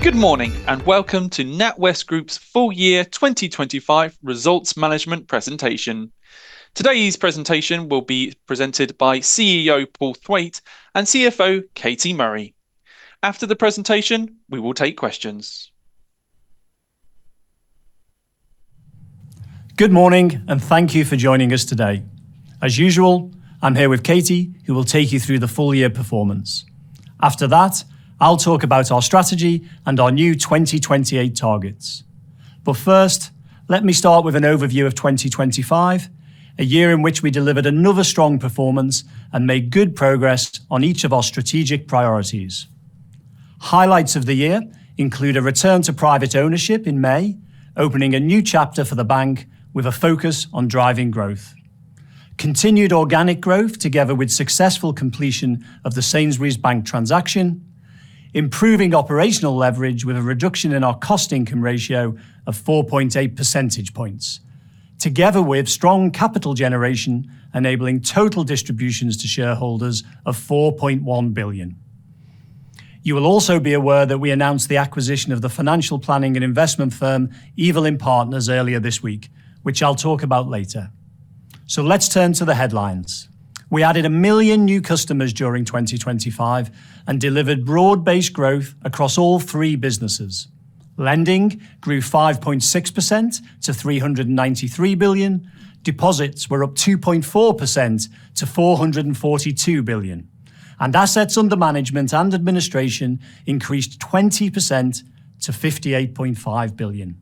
Good morning, and welcome to NatWest Group's full year 2025 results management presentation. Today's presentation will be presented by CEO, Paul Thwaite, and CFO, Katie Murray. After the presentation, we will take questions. Good morning, and thank you for joining us today. As usual, I'm here with Katie, who will take you through the full year performance. After that, I'll talk about our strategy and our new 2028 targets. But first, let me start with an overview of 2025, a year in which we delivered another strong performance and made good progress on each of our strategic priorities. Highlights of the year include a return to private ownership in May, opening a new chapter for the bank with a focus on driving growth. Continued organic growth, together with successful completion of the Sainsbury's Bank transaction, improving operational leverage with a reduction in our cost-income ratio of 4.8 percentage points, together with strong capital generation, enabling total distributions to shareholders of 4.1 billion. You will also be aware that we announced the acquisition of the financial planning and investment firm, Evelyn Partners, earlier this week, which I'll talk about later. Let's turn to the headlines. We added one million new customers during 2025 and delivered broad-based growth across all three businesses. Lending grew 5.6% to 393 billion. Deposits were up 2.4% to 442 billion, and assets under management and administration increased 20% to 58.5 billion.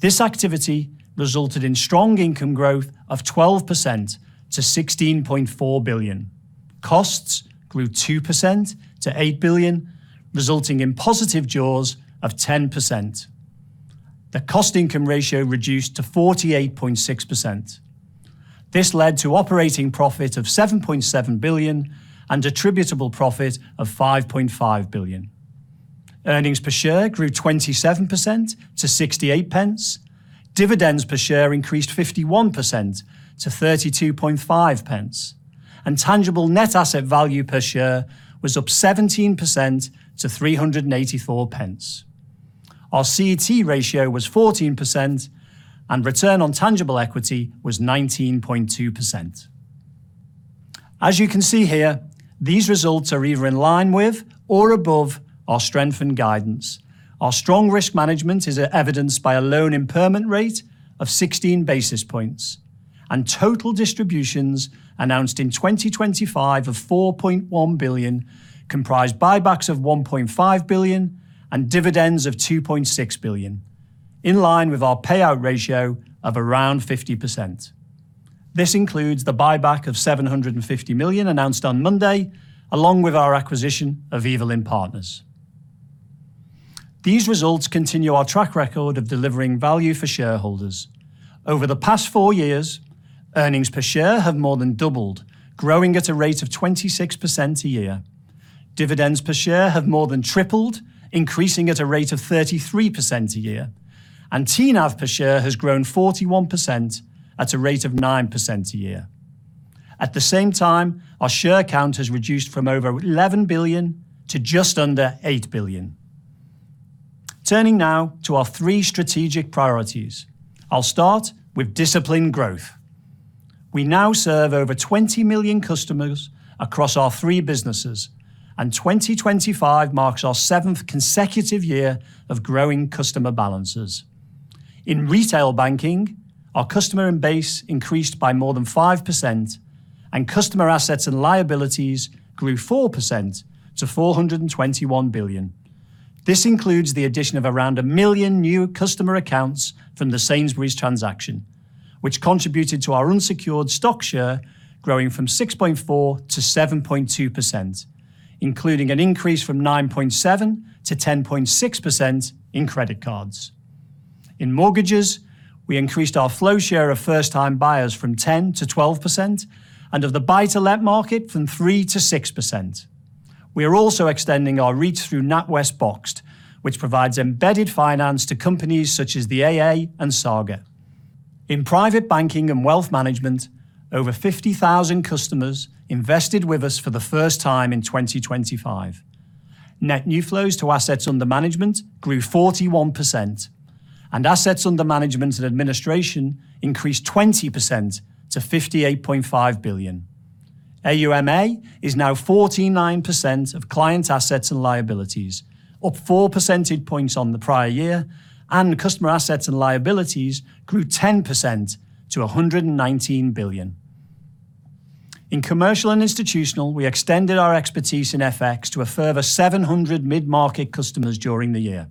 This activity resulted in strong income growth of 12% to 16.4 billion. Costs grew 2% to 8 billion, resulting in positive jaws of 10%. The cost income ratio reduced to 48.6%. This led to operating profit of 7.7 billion and attributable profit of 5.5 billion. Earnings per share grew 27% to 0.68. Dividends per share increased 51% to 0.325, and tangible net asset value per share was up 17% to 3.84. Our CET1 ratio was 14%, and return on tangible equity was 19.2%. As you can see here, these results are either in line with or above our strengthened guidance. Our strong risk management is evidenced by a loan impairment rate of 16 basis points, and total distributions announced in 2025 of 4.1 billion, comprised buybacks of 1.5 billion and dividends of 2.6 billion, in line with our payout ratio of around 50%. This includes the buyback of 750 million announced on Monday, along with our acquisition of Evelyn Partners. These results continue our track record of delivering value for shareholders. Over the past four years, earnings per share have more than doubled, growing at a rate of 26% a year. Dividends per share have more than tripled, increasing at a rate of 33% a year, and TNAV per share has grown 41% at a rate of 9% a year. At the same time, our share count has reduced from over 11 billion to just under eight billion. Turning now to our three strategic priorities. I'll start with disciplined growth. We now serve over 20 million customers across our three businesses, and 2025 marks our seventh consecutive year of growing customer balances. In retail banking, our customer base increased by more than 5%, and customer assets and liabilities grew 4% to 421 billion. This includes the addition of around 1 million new customer accounts from the Sainsbury's transaction, which contributed to our unsecured stock share growing from 6.4%-7.2%, including an increase from 9.7%-10.6% in credit cards. In mortgages, we increased our flow share of first-time buyers from 10%-12% and of the buy-to-let market from 3%-6%. We are also extending our reach through NatWest Boxed, which provides embedded finance to companies such as the AA and Saga. In private banking and wealth management, over 50,000 customers invested with us for the first time in 2025. Net new flows to assets under management grew 41%, and assets under management and administration increased 20% to 58.5 billion. AUMA is now 49% of client assets and liabilities, up four percentage points on the prior year, and customer assets and liabilities grew 10% to 119 billion. In commercial and institutional, we extended our expertise in FX to a further 700 mid-market customers during the year,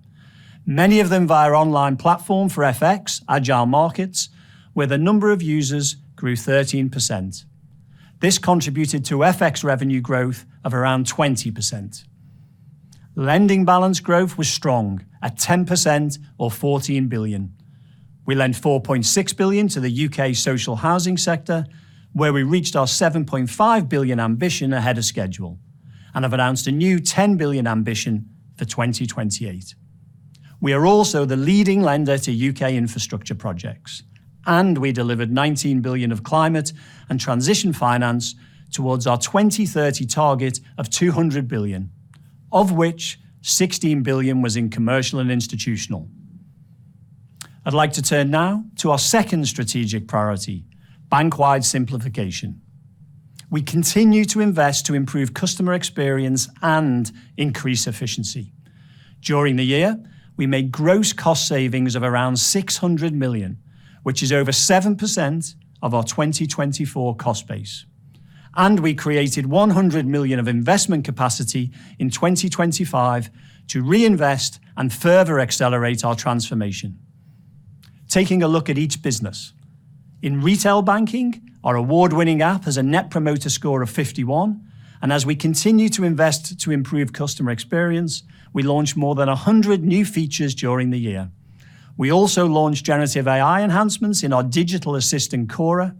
many of them via our online platform for FX, Agile Markets, where the number of users grew 13%. This contributed to FX revenue growth of around 20%. Lending balance growth was strong at 10% or 14 billion. We lent 4.6 billion to the UK social housing sector, where we reached our 7.5 billion ambition ahead of schedule and have announced a new 10 billion ambition for 2028. We are also the leading lender to UK infrastructure projects, and we delivered 19 billion of climate and transition finance towards our 2030 target of 200 billion, of which 16 billion was in commercial and institutional. I'd like to turn now to our second strategic priority, bank-wide simplification. We continue to invest to improve customer experience and increase efficiency. During the year, we made gross cost savings of around 600 million, which is over 7% of our 2024 cost base. And we created 100 million of investment capacity in 2025 to reinvest and further accelerate our transformation. Taking a look at each business. In retail banking, our award-winning app has a Net Promoter Score of 51, and as we continue to invest to improve customer experience, we launched more than 100 new features during the year. We also launched generative AI enhancements in our digital assistant, Cora.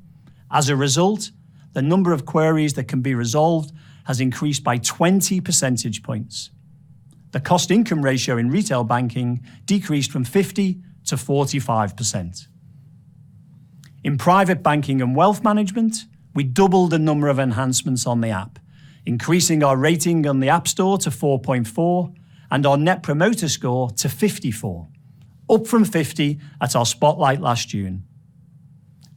As a result, the number of queries that can be resolved has increased by 20 percentage points. cost-income ratio in retail banking decreased from 50% to 45%. In private banking and wealth management, we doubled the number of enhancements on the app, increasing our rating on the App Store to 4.4 and our Net Promoter Score to 54, up from 50 at our spotlight last June.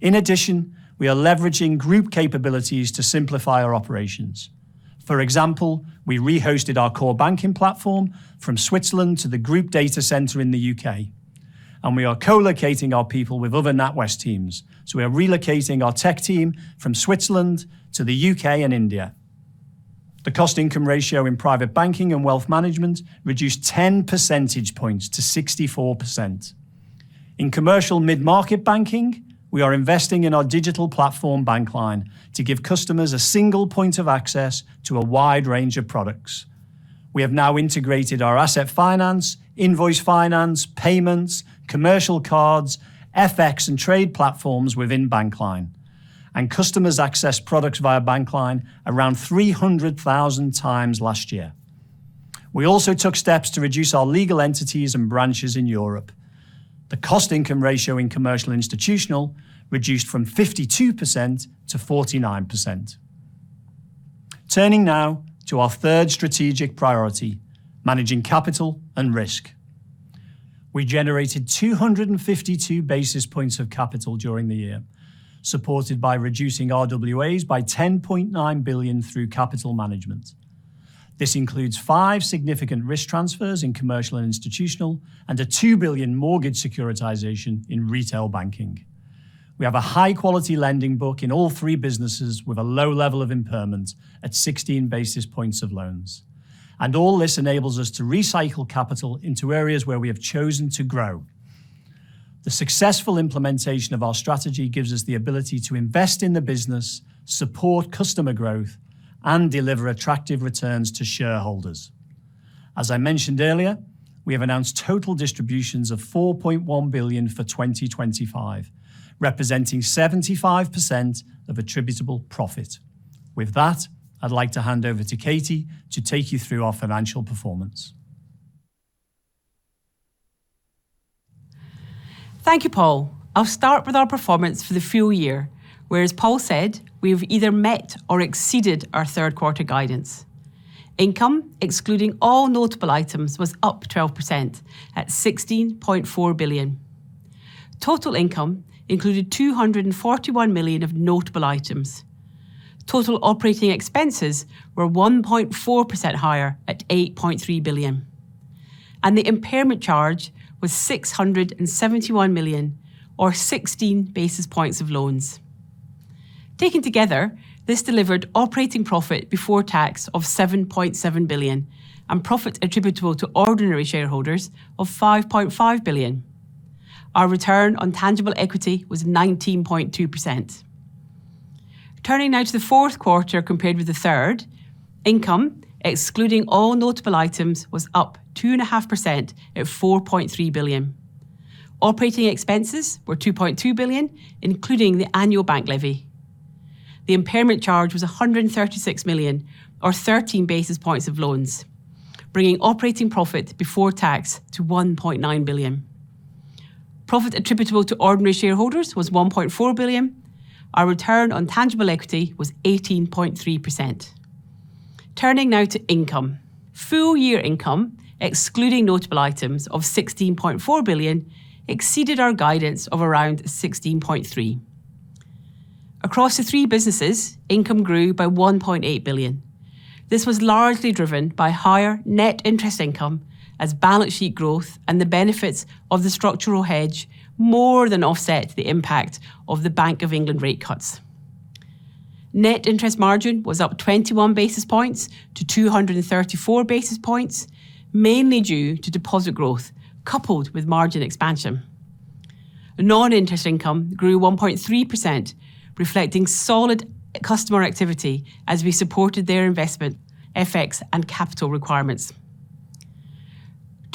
In addition, we are leveraging group capabilities to simplify our operations. For example, we rehosted our core banking platform from Switzerland to the group data center in the U.K., and we are co-locating our people with other NatWest teams, so we are relocating our tech team from Switzerland to the U.K. and India. cost-income ratio in private banking and wealth management reduced 10 percentage points to 64%. In commercial mid-market banking, we are investing in our digital platform, Bankline, to give customers a single point of access to a wide range of products. We have now integrated our asset finance, invoice finance, payments, commercial cards, FX, and trade platforms within Bankline, and customers accessed products via Bankline around 300,000 times last year. We also took steps to reduce our legal entities and branches in Europe. The cost-income ratio in commercial institutional reduced from 52% to 49%. Turning now to our third strategic priority, managing capital and risk. We generated 252 basis points of capital during the year, supported by reducing RWAs by 10.9 billion through capital management. This includes 5 significant risk transfers in commercial and institutional, and a 2 billion mortgage securitization in retail banking. We have a high-quality lending book in all three businesses, with a low level of impairment at 16 basis points of loans. All this enables us to recycle capital into areas where we have chosen to grow. The successful implementation of our strategy gives us the ability to invest in the business, support customer growth, and deliver attractive returns to shareholders. As I mentioned earlier, we have announced total distributions of 4.1 billion for 2025, representing 75% of attributable profit. With that, I'd like to hand over to Katie to take you through our financial performance. Thank you, Paul. I'll start with our performance for the full year, where, as Paul said, we have either met or exceeded our third quarter guidance. Income, excluding all notable items, was up 12% at 16.4 billion. Total income included 241 million of notable items. Total operating expenses were 1.4% higher at 8.3 billion, and the impairment charge was 671 million, or 16 basis points of loans. Taken together, this delivered operating profit before tax of 7.7 billion, and profit attributable to ordinary shareholders of 5.5 billion. Our return on tangible equity was 19.2%. Turning now to the fourth quarter compared with the third, income, excluding all notable items, was up 2.5% at 4.3 billion. Operating expenses were 2.2 billion, including the annual bank levy. The impairment charge was 136 million, or 13 basis points of loans, bringing operating profit before tax to 1.9 billion. Profit attributable to ordinary shareholders was 1.4 billion. Our return on tangible equity was 18.3%. Turning now to income. Full year income, excluding notable items of 16.4 billion, exceeded our guidance of around 16.3 billion. Across the three businesses, income grew by 1.8 billion. This was largely driven by higher net interest income, as balance sheet growth and the benefits of the structural hedge more than offset the impact of the Bank of England rate cuts. Net interest margin was up 21 basis points to 234 basis points, mainly due to deposit growth, coupled with margin expansion. Non-interest income grew 1.3%, reflecting solid customer activity as we supported their investment, FX, and capital requirements.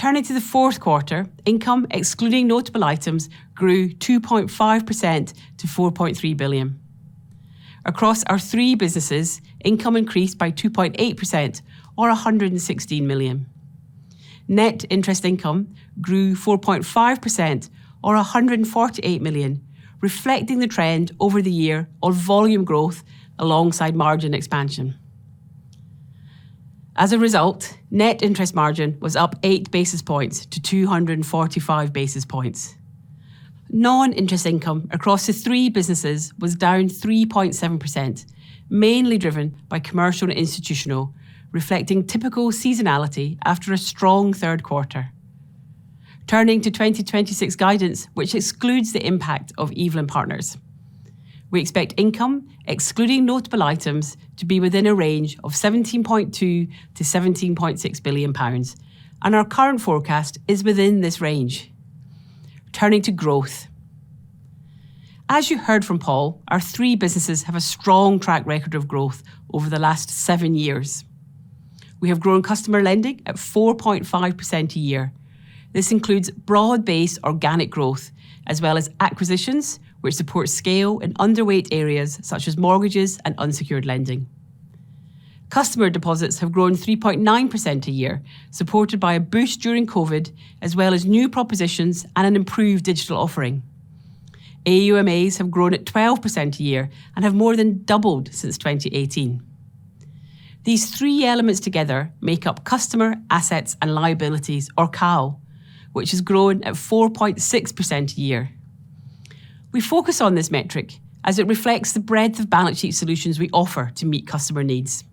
Turning to the fourth quarter, income, excluding notable items, grew 2.5% to 4.3 billion.... Across our three businesses, income increased by 2.8%, or 116 million. Net interest income grew 4.5%, or 148 million, reflecting the trend over the year of volume growth alongside margin expansion. As a result, net interest margin was up 8 basis points to 245 basis points. Non-interest income across the three businesses was down 3.7%, mainly driven by commercial and institutional, reflecting typical seasonality after a strong third quarter. Turning to 2026 guidance, which excludes the impact of Evelyn Partners. We expect income, excluding notable items, to be within a range of 17.2 billion-17.6 billion pounds, and our current forecast is within this range. Turning to growth. As you heard from Paul, our three businesses have a strong track record of growth over the last 7 years. We have grown customer lending at 4.5% a year. This includes broad-based organic growth, as well as acquisitions, which support scale in underweight areas such as mortgages and unsecured lending. Customer deposits have grown 3.9% a year, supported by a boost during COVID, as well as new propositions and an improved digital offering. AUMAs have grown at 12% a year and have more than doubled since 2018. These three elements together make up customer, assets, and liabilities, or CAL, which has grown at 4.6% a year. We focus on this metric, as it reflects the breadth of balance sheet solutions we offer to meet customer needs.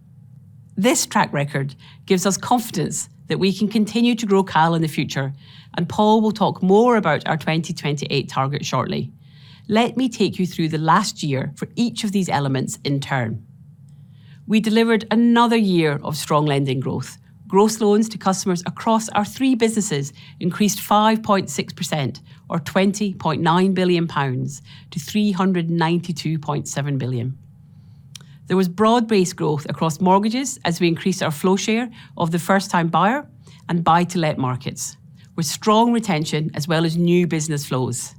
This track record gives us confidence that we can continue to grow CAL in the future, and Paul will talk more about our 2028 target shortly. Let me take you through the last year for each of these elements in turn. We delivered another year of strong lending growth. Gross loans to customers across our three businesses increased 5.6%, or 20.9 billion pounds, to 392.7 billion. There was broad-based growth across mortgages as we increased our flow share of the first-time buyer and buy-to-let markets, with strong retention as well as new business flows.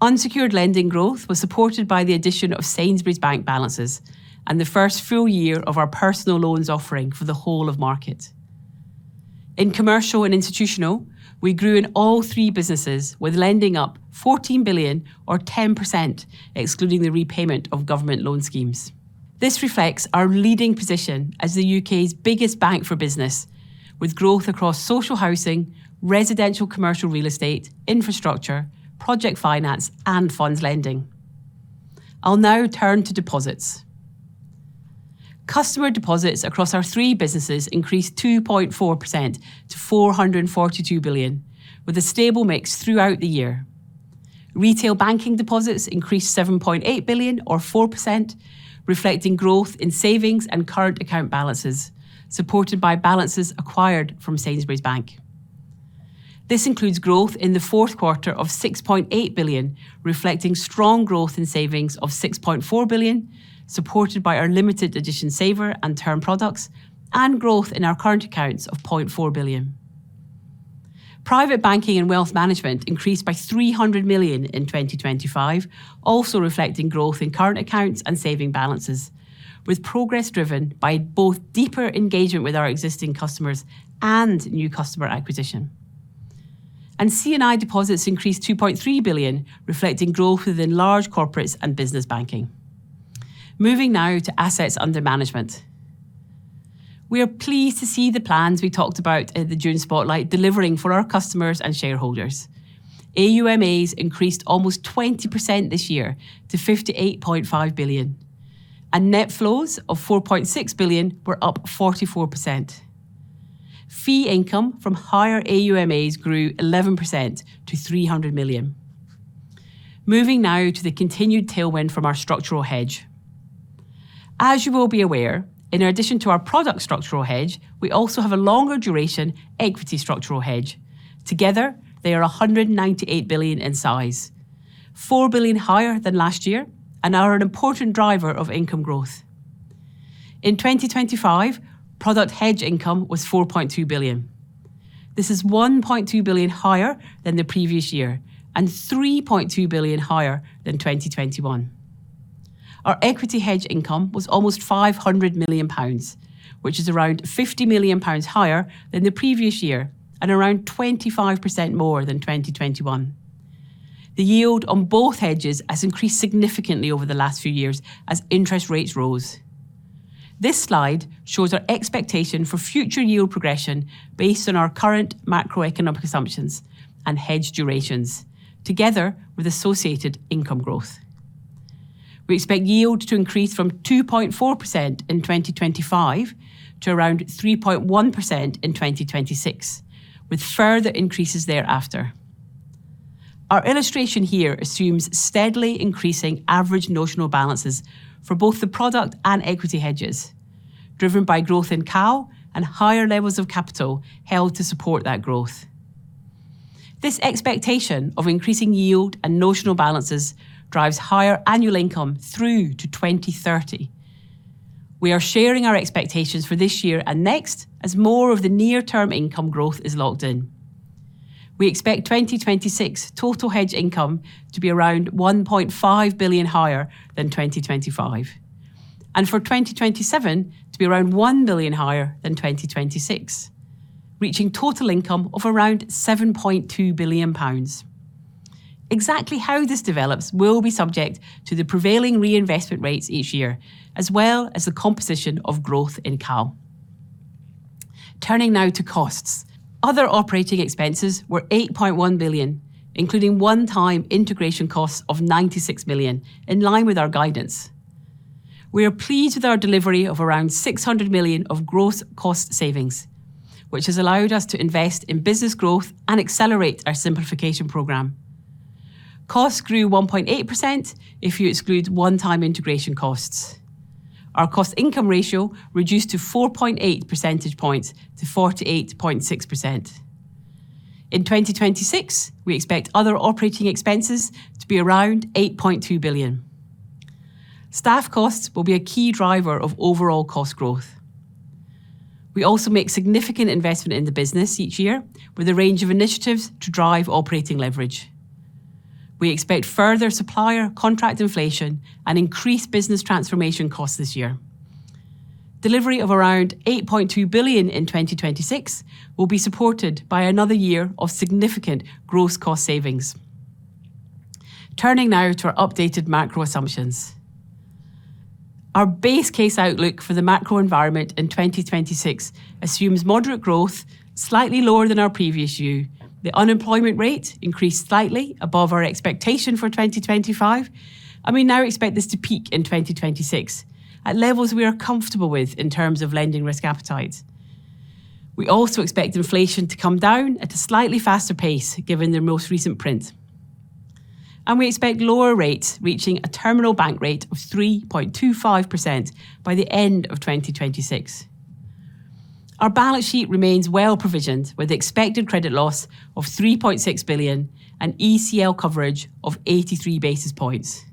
Unsecured lending growth was supported by the addition of Sainsbury's Bank balances and the first full year of our personal loans offering for the whole of market. In commercial and institutional, we grew in all three businesses, with lending up 14 billion or 10%, excluding the repayment of government loan schemes. This reflects our leading position as the U.K.'s biggest bank for business, with growth across social housing, residential commercial real estate, infrastructure, project finance, and funds lending. I'll now turn to deposits. Customer deposits across our three businesses increased 2.4% to 442 billion, with a stable mix throughout the year. Retail banking deposits increased 7.8 billion, or 4%, reflecting growth in savings and current account balances, supported by balances acquired from Sainsbury's Bank. This includes growth in the fourth quarter of 6.8 billion, reflecting strong growth in savings of 6.4 billion, supported by our limited edition saver and term products, and growth in our current accounts of 0.4 billion. Private banking and wealth management increased by 300 million in 2025, also reflecting growth in current accounts and saving balances, with progress driven by both deeper engagement with our existing customers and new customer acquisition. C&I deposits increased 2.3 billion, reflecting growth within large corporates and business banking. Moving now to assets under management. We are pleased to see the plans we talked about at the June spotlight delivering for our customers and shareholders. AUMAs increased almost 20% this year to 58.5 billion, and net flows of 4.6 billion were up 44%. Fee income from higher AUMAs grew 11% to 300 million. Moving now to the continued tailwind from our structural hedge. As you will be aware, in addition to our product structural hedge, we also have a longer duration equity structural hedge. Together, they are 198 billion in size, 4 billion higher than last year, and are an important driver of income growth. In 2025, product hedge income was 4.2 billion. This is 1.2 billion higher than the previous year and 3.2 billion higher than 2021. Our equity hedge income was almost 500 million pounds, which is around 50 million pounds higher than the previous year and around 25% more than 2021. The yield on both hedges has increased significantly over the last few years as interest rates rose. This slide shows our expectation for future yield progression based on our current macroeconomic assumptions and hedge durations, together with associated income growth. We expect yield to increase from 2.4% in 2025 to around 3.1% in 2026, with further increases thereafter. Our illustration here assumes steadily increasing average notional balances for both the product and equity hedges, driven by growth in CAL and higher levels of capital held to support that growth. This expectation of increasing yield and notional balances drives higher annual income through to 2030. We are sharing our expectations for this year and next as more of the near-term income growth is locked in. We expect 2026 total hedge income to be around 1.5 billion higher than 2025, and for 2027 to be around 1 billion higher than 2026, reaching total income of around 7.2 billion pounds. Exactly how this develops will be subject to the prevailing reinvestment rates each year, as well as the composition of growth in CAL. Turning now to costs. Other operating expenses were 8.1 billion, including one-time integration costs of 96 million, in line with our guidance. We are pleased with our delivery of around 600 million of gross cost savings, which has allowed us to invest in business growth and accelerate our simplification program. Costs grew 1.8% if you exclude one-time integration costs. Our cost income ratio reduced to 4.8 percentage points to 48.6%. In 2026, we expect other operating expenses to be around 8.2 billion. Staff costs will be a key driver of overall cost growth. We also make significant investment in the business each year with a range of initiatives to drive operating leverage. We expect further supplier contract inflation and increased business transformation costs this year. Delivery of around 8.2 billion in 2026 will be supported by another year of significant gross cost savings. Turning now to our updated macro assumptions. Our base case outlook for the macro environment in 2026 assumes moderate growth, slightly lower than our previous year. The unemployment rate increased slightly above our expectation for 2025, and we now expect this to peak in 2026 at levels we are comfortable with in terms of lending risk appetite. We also expect inflation to come down at a slightly faster pace, given the most recent print. We expect lower rates reaching a terminal bank rate of 3.25% by the end of 2026. Our balance sheet remains well provisioned, with expected credit loss of 3.6 billion and ECL coverage of 83 basis points.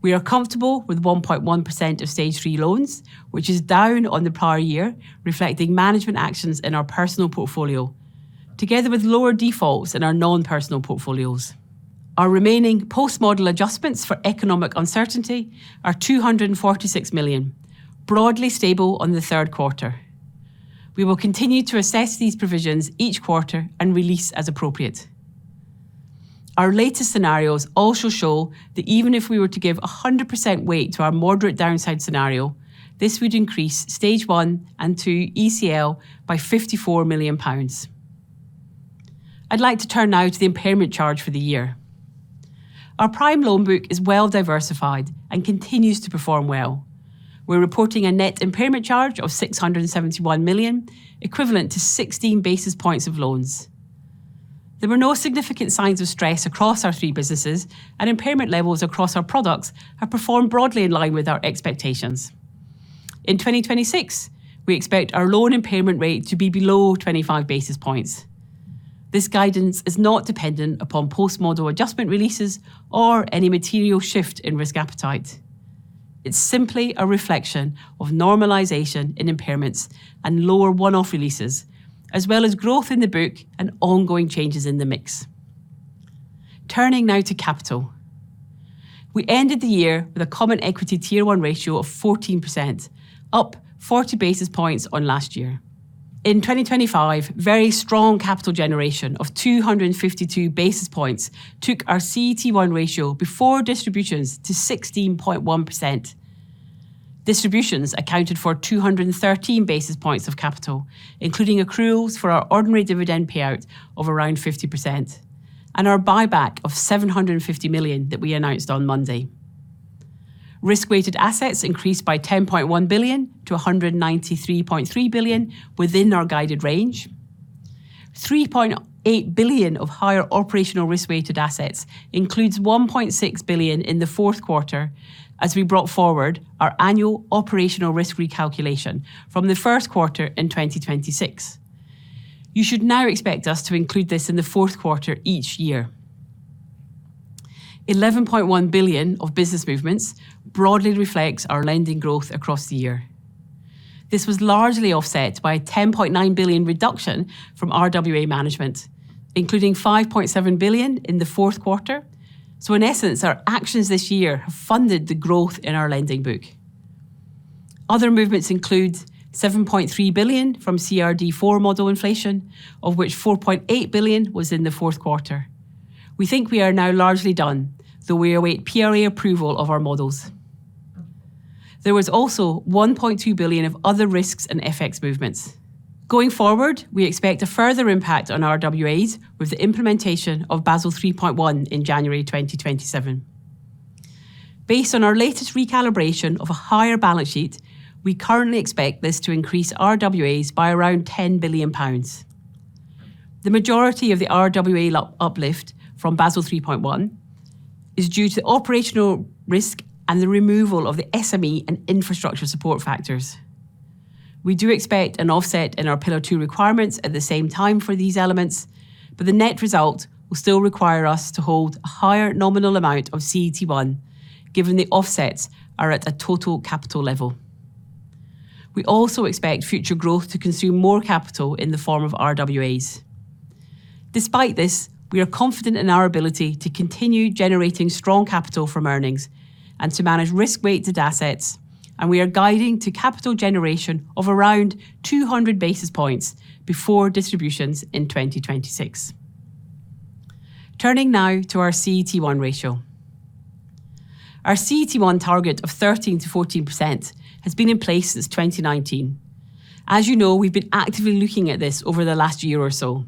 We are comfortable with 1.1% of Stage Three loans, which is down on the prior year, reflecting management actions in our personal portfolio, together with lower defaults in our non-personal portfolios. Our remaining post-model adjustments for economic uncertainty are 246 million, broadly stable on the third quarter. We will continue to assess these provisions each quarter and release as appropriate. Our latest scenarios also show that even if we were to give 100% weight to our moderate downside scenario, this would increase Stage One and Two ECL by 54 million pounds. I'd like to turn now to the impairment charge for the year. Our prime loan book is well diversified and continues to perform well. We're reporting a net impairment charge of 671 million, equivalent to 16 basis points of loans. There were no significant signs of stress across our three businesses, and impairment levels across our products have performed broadly in line with our expectations. In 2026, we expect our loan impairment rate to be below 25 basis points. This guidance is not dependent upon post-model adjustment releases or any material shift in risk appetite. It's simply a reflection of normalization in impairments and lower one-off releases, as well as growth in the book and ongoing changes in the mix. Turning now to capital. We ended the year with a Common Equity Tier 1 ratio of 14%, up 40 basis points on last year. In 2025, very strong capital generation of 252 basis points took our CET1 ratio before distributions to 16.1%. Distributions accounted for 213 basis points of capital, including accruals for our ordinary dividend payout of around 50%, and our buyback of 750 million that we announced on Monday. Risk-weighted assets increased by 10.1 billion to 193.3 billion within our guided range. 3.8 billion of higher operational risk-weighted assets includes 1.6 billion in the fourth quarter as we brought forward our annual operational risk recalculation from the first quarter in 2026. You should now expect us to include this in the fourth quarter each year. 11.1 billion of business movements broadly reflects our lending growth across the year. This was largely offset by a 10.9 billion reduction from RWA management, including 5.7 billion in the fourth quarter. So in essence, our actions this year have funded the growth in our lending book. Other movements include 7.3 billion from CRD4 model inflation, of which 4.8 billion was in the fourth quarter. We think we are now largely done, though we await PRA approval of our models. There was also 1.2 billion of other risks and FX movements. Going forward, we expect a further impact on RWAs with the implementation of Basel 3.1 in January 2027. Based on our latest recalibration of a higher balance sheet, we currently expect this to increase RWAs by around 10 billion pounds. The majority of the RWA uplift from Basel 3.1 is due to operational risk and the removal of the SME and infrastructure support factors. We do expect an offset in our Pillar Two requirements at the same time for these elements, but the net result will still require us to hold a higher nominal amount of CET1, given the offsets are at a total capital level. We also expect future growth to consume more capital in the form of RWAs. Despite this, we are confident in our ability to continue generating strong capital from earnings and to manage risk-weighted assets, and we are guiding to capital generation of around 200 basis points before distributions in 2026. Turning now to our CET1 ratio. Our CET1 target of 13%-14% has been in place since 2019. As you know, we've been actively looking at this over the last year or so.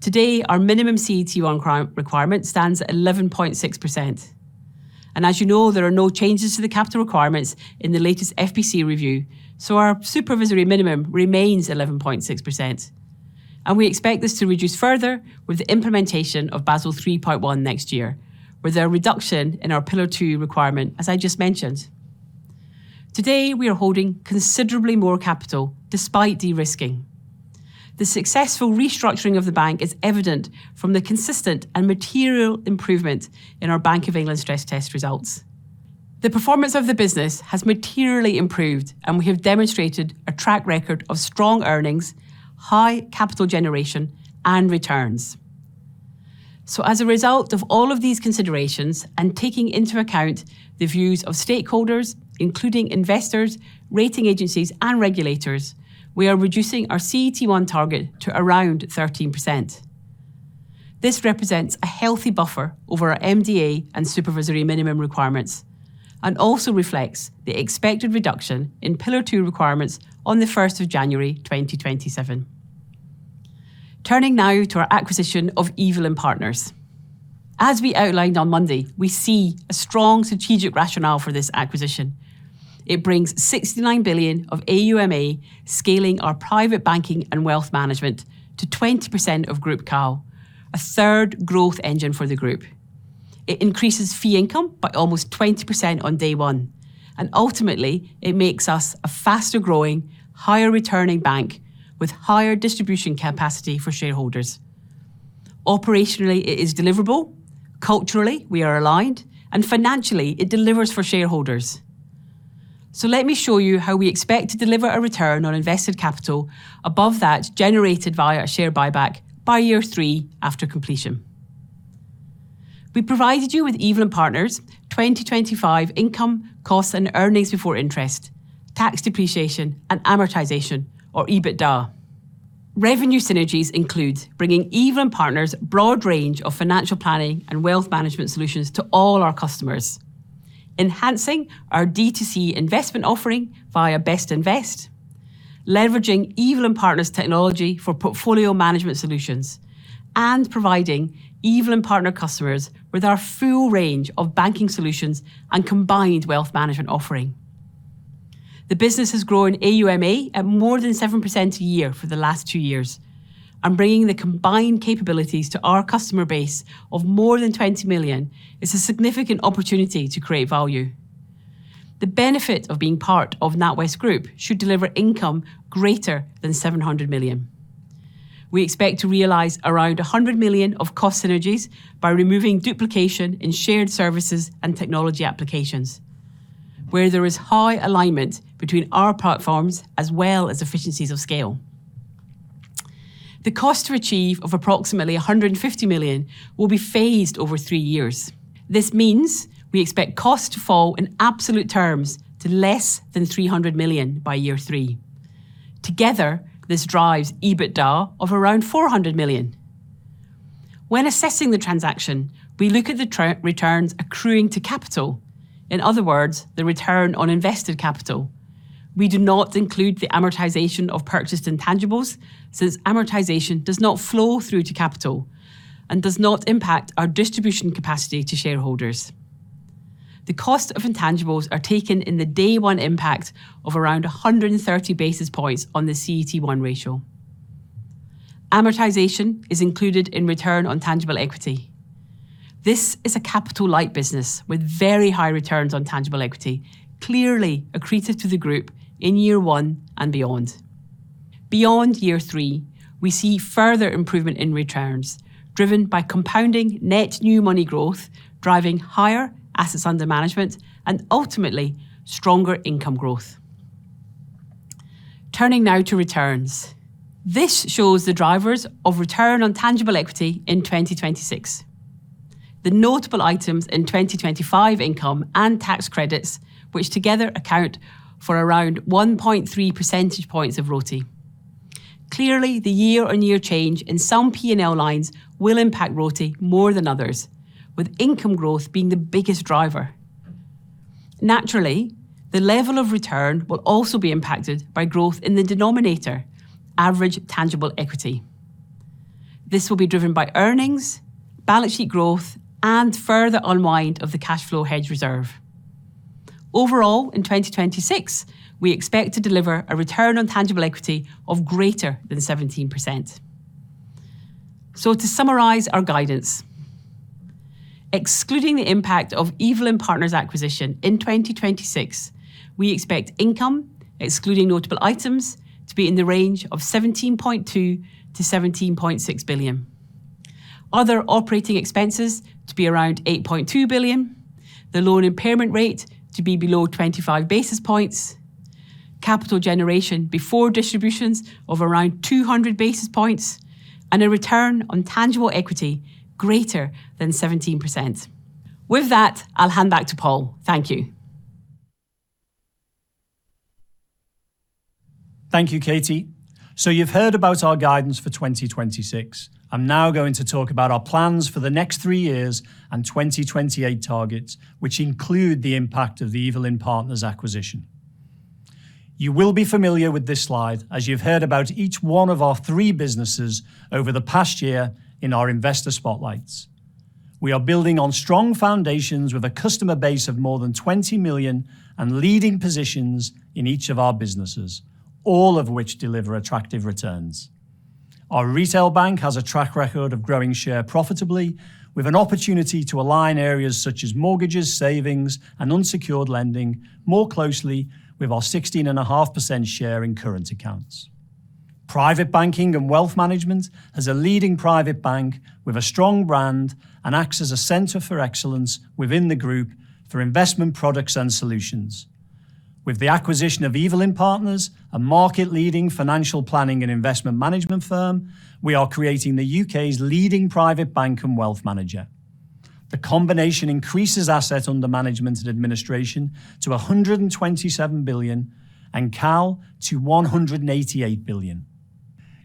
Today, our minimum CET1 requirement stands at 11.6%, and as you know, there are no changes to the capital requirements in the latest FPC review, so our supervisory minimum remains 11.6%. We expect this to reduce further with the implementation of Basel 3.1 next year, with a reduction in our Pillar II requirement, as I just mentioned. Today, we are holding considerably more capital despite de-risking. The successful restructuring of the bank is evident from the consistent and material improvement in our Bank of England stress test results. The performance of the business has materially improved, and we have demonstrated a track record of strong earnings, high capital generation, and returns. So as a result of all of these considerations, and taking into account the views of stakeholders, including investors, rating agencies, and regulators, we are reducing our CET1 target to around 13%. This represents a healthy buffer over our MDA and supervisory minimum requirements and also reflects the expected reduction in Pillar II requirements on the first of January, 2027. Turning now to our acquisition of Evelyn Partners. As we outlined on Monday, we see a strong strategic rationale for this acquisition. It brings 69 billion of AUMA, scaling our private banking and wealth management to 20% of Group Co, a third growth engine for the group. It increases fee income by almost 20% on day one, and ultimately, it makes us a faster-growing, higher-returning bank with higher distribution capacity for shareholders. Operationally, it is deliverable, culturally, we are aligned, and financially, it delivers for shareholders. So let me show you how we expect to deliver a return on invested capital above that generated via a share buyback by year three after completion. We provided you with Evelyn Partners' 2025 income costs and earnings before interest, tax depreciation, and amortization, or EBITDA. Revenue synergies include bringing Evelyn Partners broad range of financial planning and wealth management solutions to all our customers, enhancing our D2C investment offering via Bestinvest, leveraging Evelyn Partners technology for portfolio management solutions, and providing Evelyn Partners customers with our full range of banking solutions and combined wealth management offering. The business has grown AUMA at more than 7% a year for the last two years, and bringing the combined capabilities to our customer base of more than 20 million is a significant opportunity to create value. The benefit of being part of NatWest Group should deliver income greater than 700 million. We expect to realize around 100 million of cost synergies by removing duplication in shared services and technology applications, where there is high alignment between our platforms as well as efficiencies of scale. The cost to achieve of approximately 150 million will be phased over three years. This means we expect costs to fall in absolute terms to less than 300 million by year three. Together, this drives EBITDA of around 400 million. When assessing the transaction, we look at the returns accruing to capital, in other words, the return on invested capital. We do not include the amortization of purchased intangibles, since amortization does not flow through to capital and does not impact our distribution capacity to shareholders. The cost of intangibles are taken in the day one impact of around 130 basis points on the CET1 ratio. Amortization is included in return on tangible equity. This is a capital-light business with very high returns on tangible equity, clearly accretive to the group in year one and beyond. Beyond year 3, we see further improvement in returns, driven by compounding net new money growth, driving higher assets under management, and ultimately, stronger income growth. Turning now to returns. This shows the drivers of return on tangible equity in 2026. The notable items in 2025 income and tax credits, which together account for around 1.3 percentage points of ROTIE. Clearly, the year-on-year change in some P&L lines will impact ROTIE more than others, with income growth being the biggest driver. Naturally, the level of return will also be impacted by growth in the denominator, average tangible equity. This will be driven by earnings, balance sheet growth, and further unwind of the cash flow hedge reserve. Overall, in 2026, we expect to deliver a return on tangible equity of greater than 17%. To summarize our guidance, excluding the impact of Evelyn Partners acquisition in 2026, we expect income, excluding notable items, to be in the range of 17.2 billion-17.6 billion. Other operating expenses to be around 8.2 billion. The loan impairment rate to be below 25 basis points. Capital generation before distributions of around 200 basis points, and a return on tangible equity greater than 17%. With that, I'll hand back to Paul. Thank you. Thank you, Katie. So you've heard about our guidance for 2026. I'm now going to talk about our plans for the next three years and 2028 targets, which include the impact of the Evelyn Partners acquisition. You will be familiar with this slide, as you've heard about each one of our three businesses over the past year in our investor spotlights. We are building on strong foundations with a customer base of more than 20 million, and leading positions in each of our businesses, all of which deliver attractive returns. Our retail bank has a track record of growing share profitably, with an opportunity to align areas such as mortgages, savings, and unsecured lending more closely with our 16.5% share in current accounts. Private banking and wealth management has a leading private bank with a strong brand, and acts as a center for excellence within the group for investment products and solutions. With the acquisition of Evelyn Partners, a market-leading financial planning and investment management firm, we are creating the U.K.'s leading private bank and wealth manager. The combination increases assets under management and administration to 127 billion and CAL to 188 billion.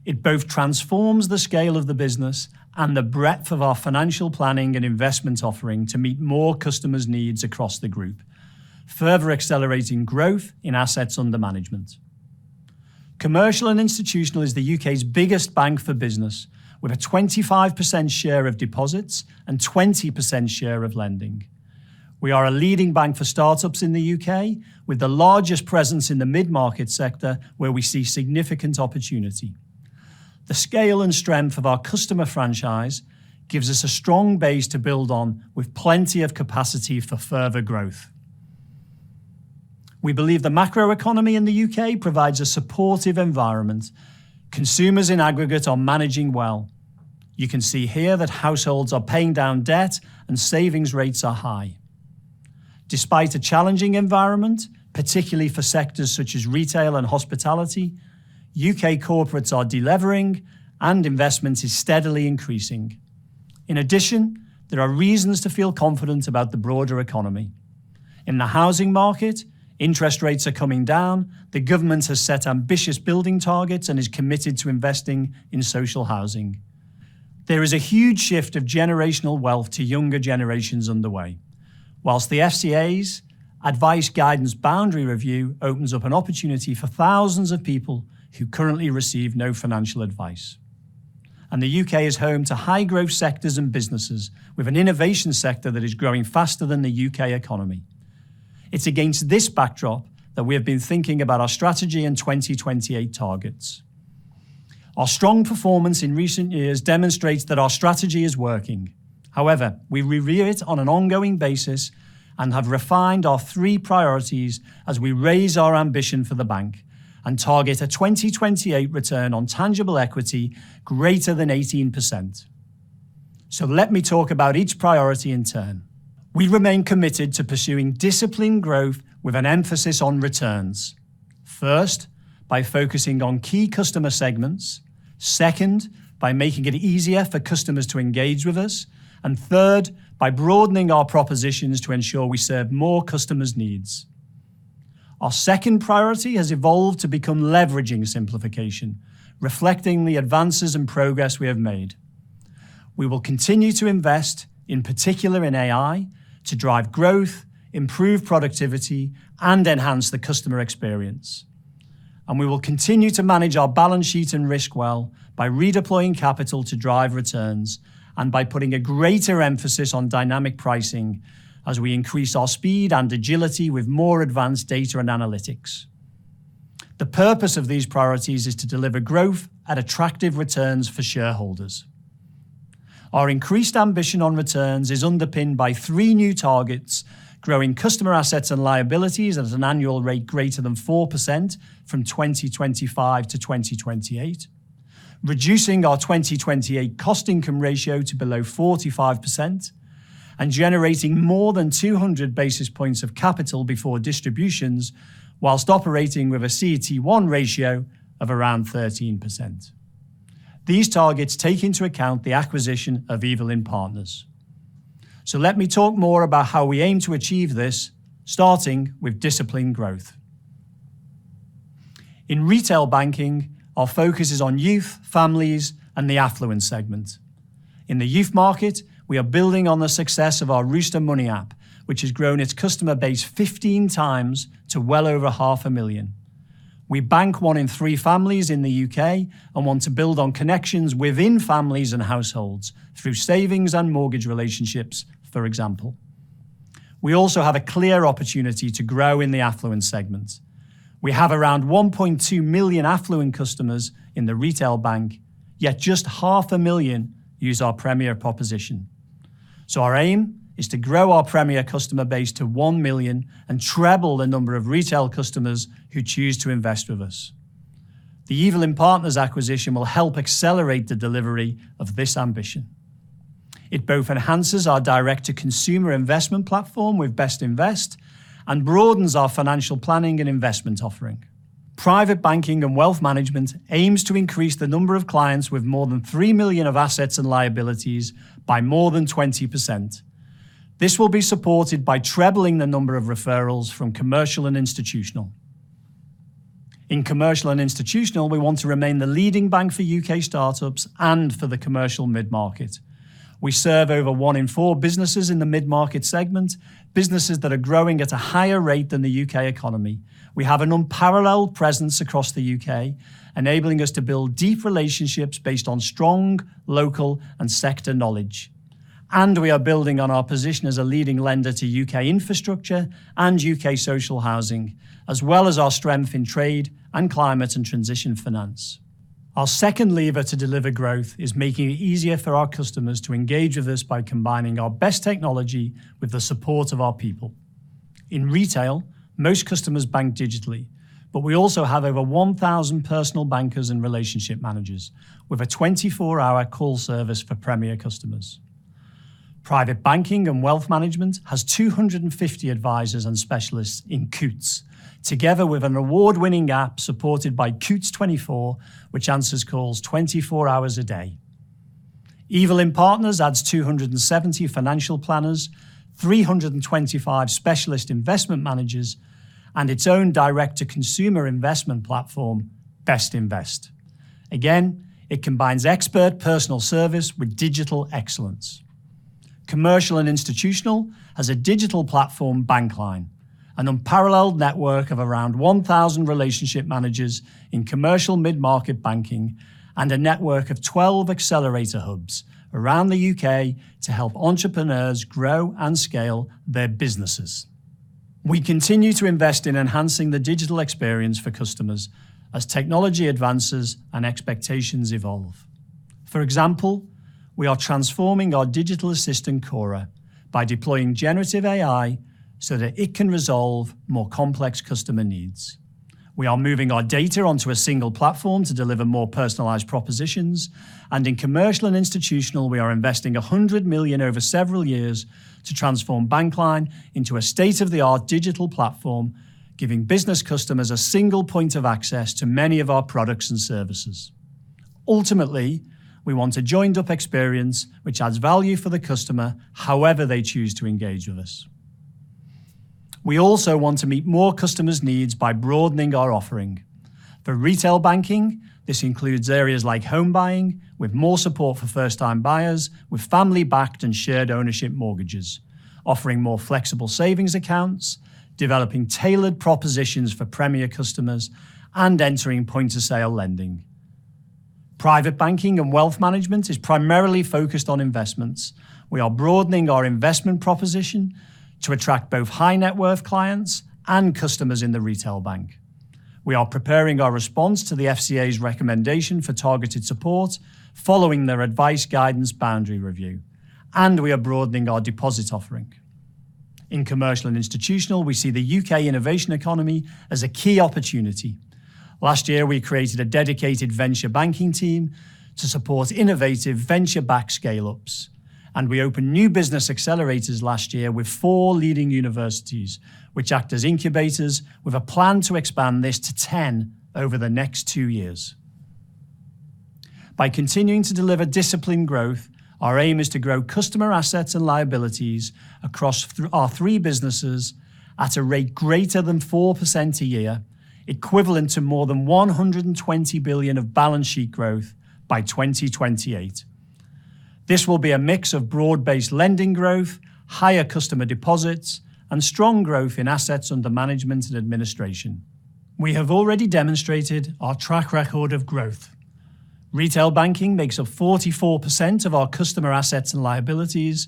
It both transforms the scale of the business and the breadth of our financial planning and investment offering to meet more customers' needs across the group, further accelerating growth in assets under management. Commercial and Institutional is the U.K.'s biggest bank for business, with a 25% share of deposits and 20% share of lending. We are a leading bank for startups in the U.K., with the largest presence in the mid-market sector, where we see significant opportunity. The scale and strength of our customer franchise gives us a strong base to build on, with plenty of capacity for further growth. We believe the macro economy in the U.K. provides a supportive environment. Consumers in aggregate are managing well. You can see here that households are paying down debt, and savings rates are high. Despite a challenging environment, particularly for sectors such as retail and hospitality, UK corporates are de-levering, and investment is steadily increasing. In addition, there are reasons to feel confident about the broader economy. In the housing market, interest rates are coming down, the government has set ambitious building targets and is committed to investing in social housing. There is a huge shift of generational wealth to younger generations underway. While the FCA's Advice Guidance Boundary Review opens up an opportunity for thousands of people who currently receive no financial advice. The U.K. is home to high-growth sectors and businesses, with an innovation sector that is growing faster than the UK economy. It's against this backdrop that we have been thinking about our strategy and 2028 targets. Our strong performance in recent years demonstrates that our strategy is working. However, we review it on an ongoing basis and have refined our three priorities as we raise our ambition for the bank and target a 2028 return on tangible equity greater than 18%. So let me talk about each priority in turn. We remain committed to pursuing disciplined growth with an emphasis on returns. First, by focusing on key customer segments. Second, by making it easier for customers to engage with us. And third, by broadening our propositions to ensure we serve more customers' needs. Our second priority has evolved to become leveraging simplification, reflecting the advances and progress we have made. We will continue to invest, in particular in AI, to drive growth, improve productivity, and enhance the customer experience. And we will continue to manage our balance sheet and risk well by redeploying capital to drive returns, and by putting a greater emphasis on dynamic pricing as we increase our speed and agility with more advanced data and analytics. The purpose of these priorities is to deliver growth at attractive returns for shareholders. Our increased ambition on returns is underpinned by three new targets: growing customer assets and liabilities at an annual rate greater than 4% from 2025 to 2028, reducing our 2028 cost-income ratio to below 45%, and generating more than 200 basis points of capital before distributions, while operating with a CET1 ratio of around 13%. These targets take into account the acquisition of Evelyn Partners. So let me talk more about how we aim to achieve this, starting with disciplined growth. In retail banking, our focus is on youth, families, and the affluent segment. In the youth market, we are building on the success of our Rooster Money app, which has grown its customer base 15 times to well over 500,000. We bank one in three families in the U.K. and want to build on connections within families and households through savings and mortgage relationships, for example. We also have a clear opportunity to grow in the affluent segment. We have around 1.2 million affluent customers in the retail bank, yet just 500,000 use our Premier proposition. So our aim is to grow our Premier customer base to one million and treble the number of retail customers who choose to invest with us. The Evelyn Partners acquisition will help accelerate the delivery of this ambition. It both enhances our direct-to-consumer investment platform with Bestinvest and broadens our financial planning and investment offering. Private Banking and Wealth Management aims to increase the number of clients with more than 3 million of assets and liabilities by more than 20%. This will be supported by trebling the number of referrals from Commercial and Institutional. In Commercial and Institutional, we want to remain the leading bank for U.K. startups and for the commercial mid-market. We serve over one in four businesses in the mid-market segment, businesses that are growing at a higher rate than the UK economy. We have an unparalleled presence across. the U.K., enabling us to build deep relationships based on strong, local, and sector knowledge. We are building on our position as a leading lender to UK infrastructure and UK social housing, as well as our strength in trade and climate and transition finance. Our second lever to deliver growth is making it easier for our customers to engage with us by combining our best technology with the support of our people. In retail, most customers bank digitally, but we also have over 1,000 personal bankers and relationship managers, with a 24-hour call service for Premier customers. Private Banking and Wealth Management has 250 advisors and specialists in Coutts, together with an award-winning app supported by Coutts 24, which answers calls 24 hours a day. Evelyn Partners adds 270 financial planners, 325 specialist investment managers, and its own direct-to-consumer investment platform, Bestinvest. Again, it combines expert personal service with digital excellence. Commercial and Institutional has a digital platform, Bankline, an unparalleled network of around 1,000 relationship managers in commercial mid-market banking, and a network of 12 accelerator hubs around the U.K. to help entrepreneurs grow and scale their businesses. We continue to invest in enhancing the digital experience for customers as technology advances and expectations evolve. For example, we are transforming our digital assistant, Cora, by deploying generative AI so that it can resolve more complex customer needs. We are moving our data onto a single platform to deliver more personalized propositions, and in Commercial and Institutional, we are investing 100 million over several years to transform Bankline into a state-of-the-art digital platform, giving business customers a single point of access to many of our products and services. Ultimately, we want a joined-up experience which adds value for the customer, however they choose to engage with us. We also want to meet more customers' needs by broadening our offering. For retail banking, this includes areas like home buying, with more support for first-time buyers, with family-backed and shared ownership mortgages, offering more flexible savings accounts, developing tailored propositions for Premier customers, and entering point-of-sale lending. Private Banking and Wealth Management is primarily focused on investments. We are broadening our investment proposition to attract both high-net-worth clients and customers in the retail bank. We are preparing our response to the FCA's recommendation for targeted support following their Advice Guidance Boundary Review, and we are broadening our deposit offering. In Commercial and Institutional, we see the UK innovation economy as a key opportunity. Last year, we created a dedicated venture banking team to support innovative venture-backed scale-ups, and we opened new business accelerators last year with four leading universities, which act as incubators with a plan to expand this to 10 over the next two years. By continuing to deliver disciplined growth, our aim is to grow customer assets and liabilities across our three businesses at a rate greater than 4% a year, equivalent to more than 120 billion of balance sheet growth by 2028. This will be a mix of broad-based lending growth, higher customer deposits, and strong growth in assets under management and administration. We have already demonstrated our track record of growth. Retail Banking makes up 44% of our customer assets and liabilities,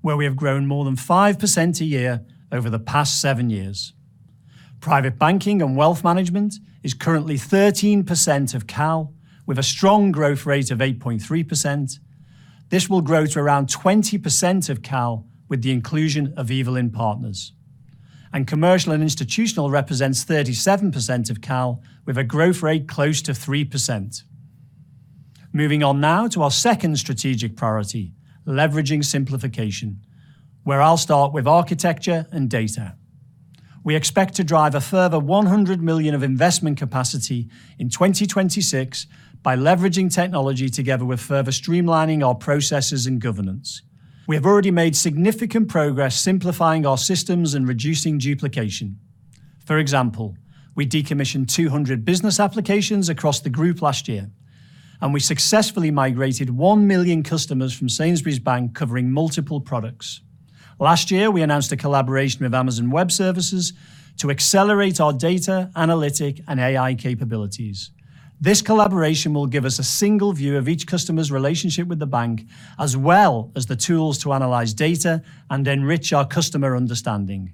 where we have grown more than 5% a year over the past seven years. Private Banking and Wealth Management is currently 13% of CAL, with a strong growth rate of 8.3%. This will grow to around 20% of CAL with the inclusion of Evelyn Partners. Commercial and Institutional represents 37% of CAL, with a growth rate close to 3%. Moving on now to our second strategic priority, leveraging simplification, where I'll start with architecture and data. We expect to drive a further 100 million of investment capacity in 2026 by leveraging technology together with further streamlining our processes and governance. We have already made significant progress simplifying our systems and reducing duplication. For example, we decommissioned 200 business applications across the group last year, and we successfully migrated one million customers from Sainsbury's Bank, covering multiple products. Last year, we announced a collaboration with Amazon Web Services to accelerate our data, analytic, and AI capabilities. This collaboration will give us a single view of each customer's relationship with the bank, as well as the tools to analyze data and enrich our customer understanding....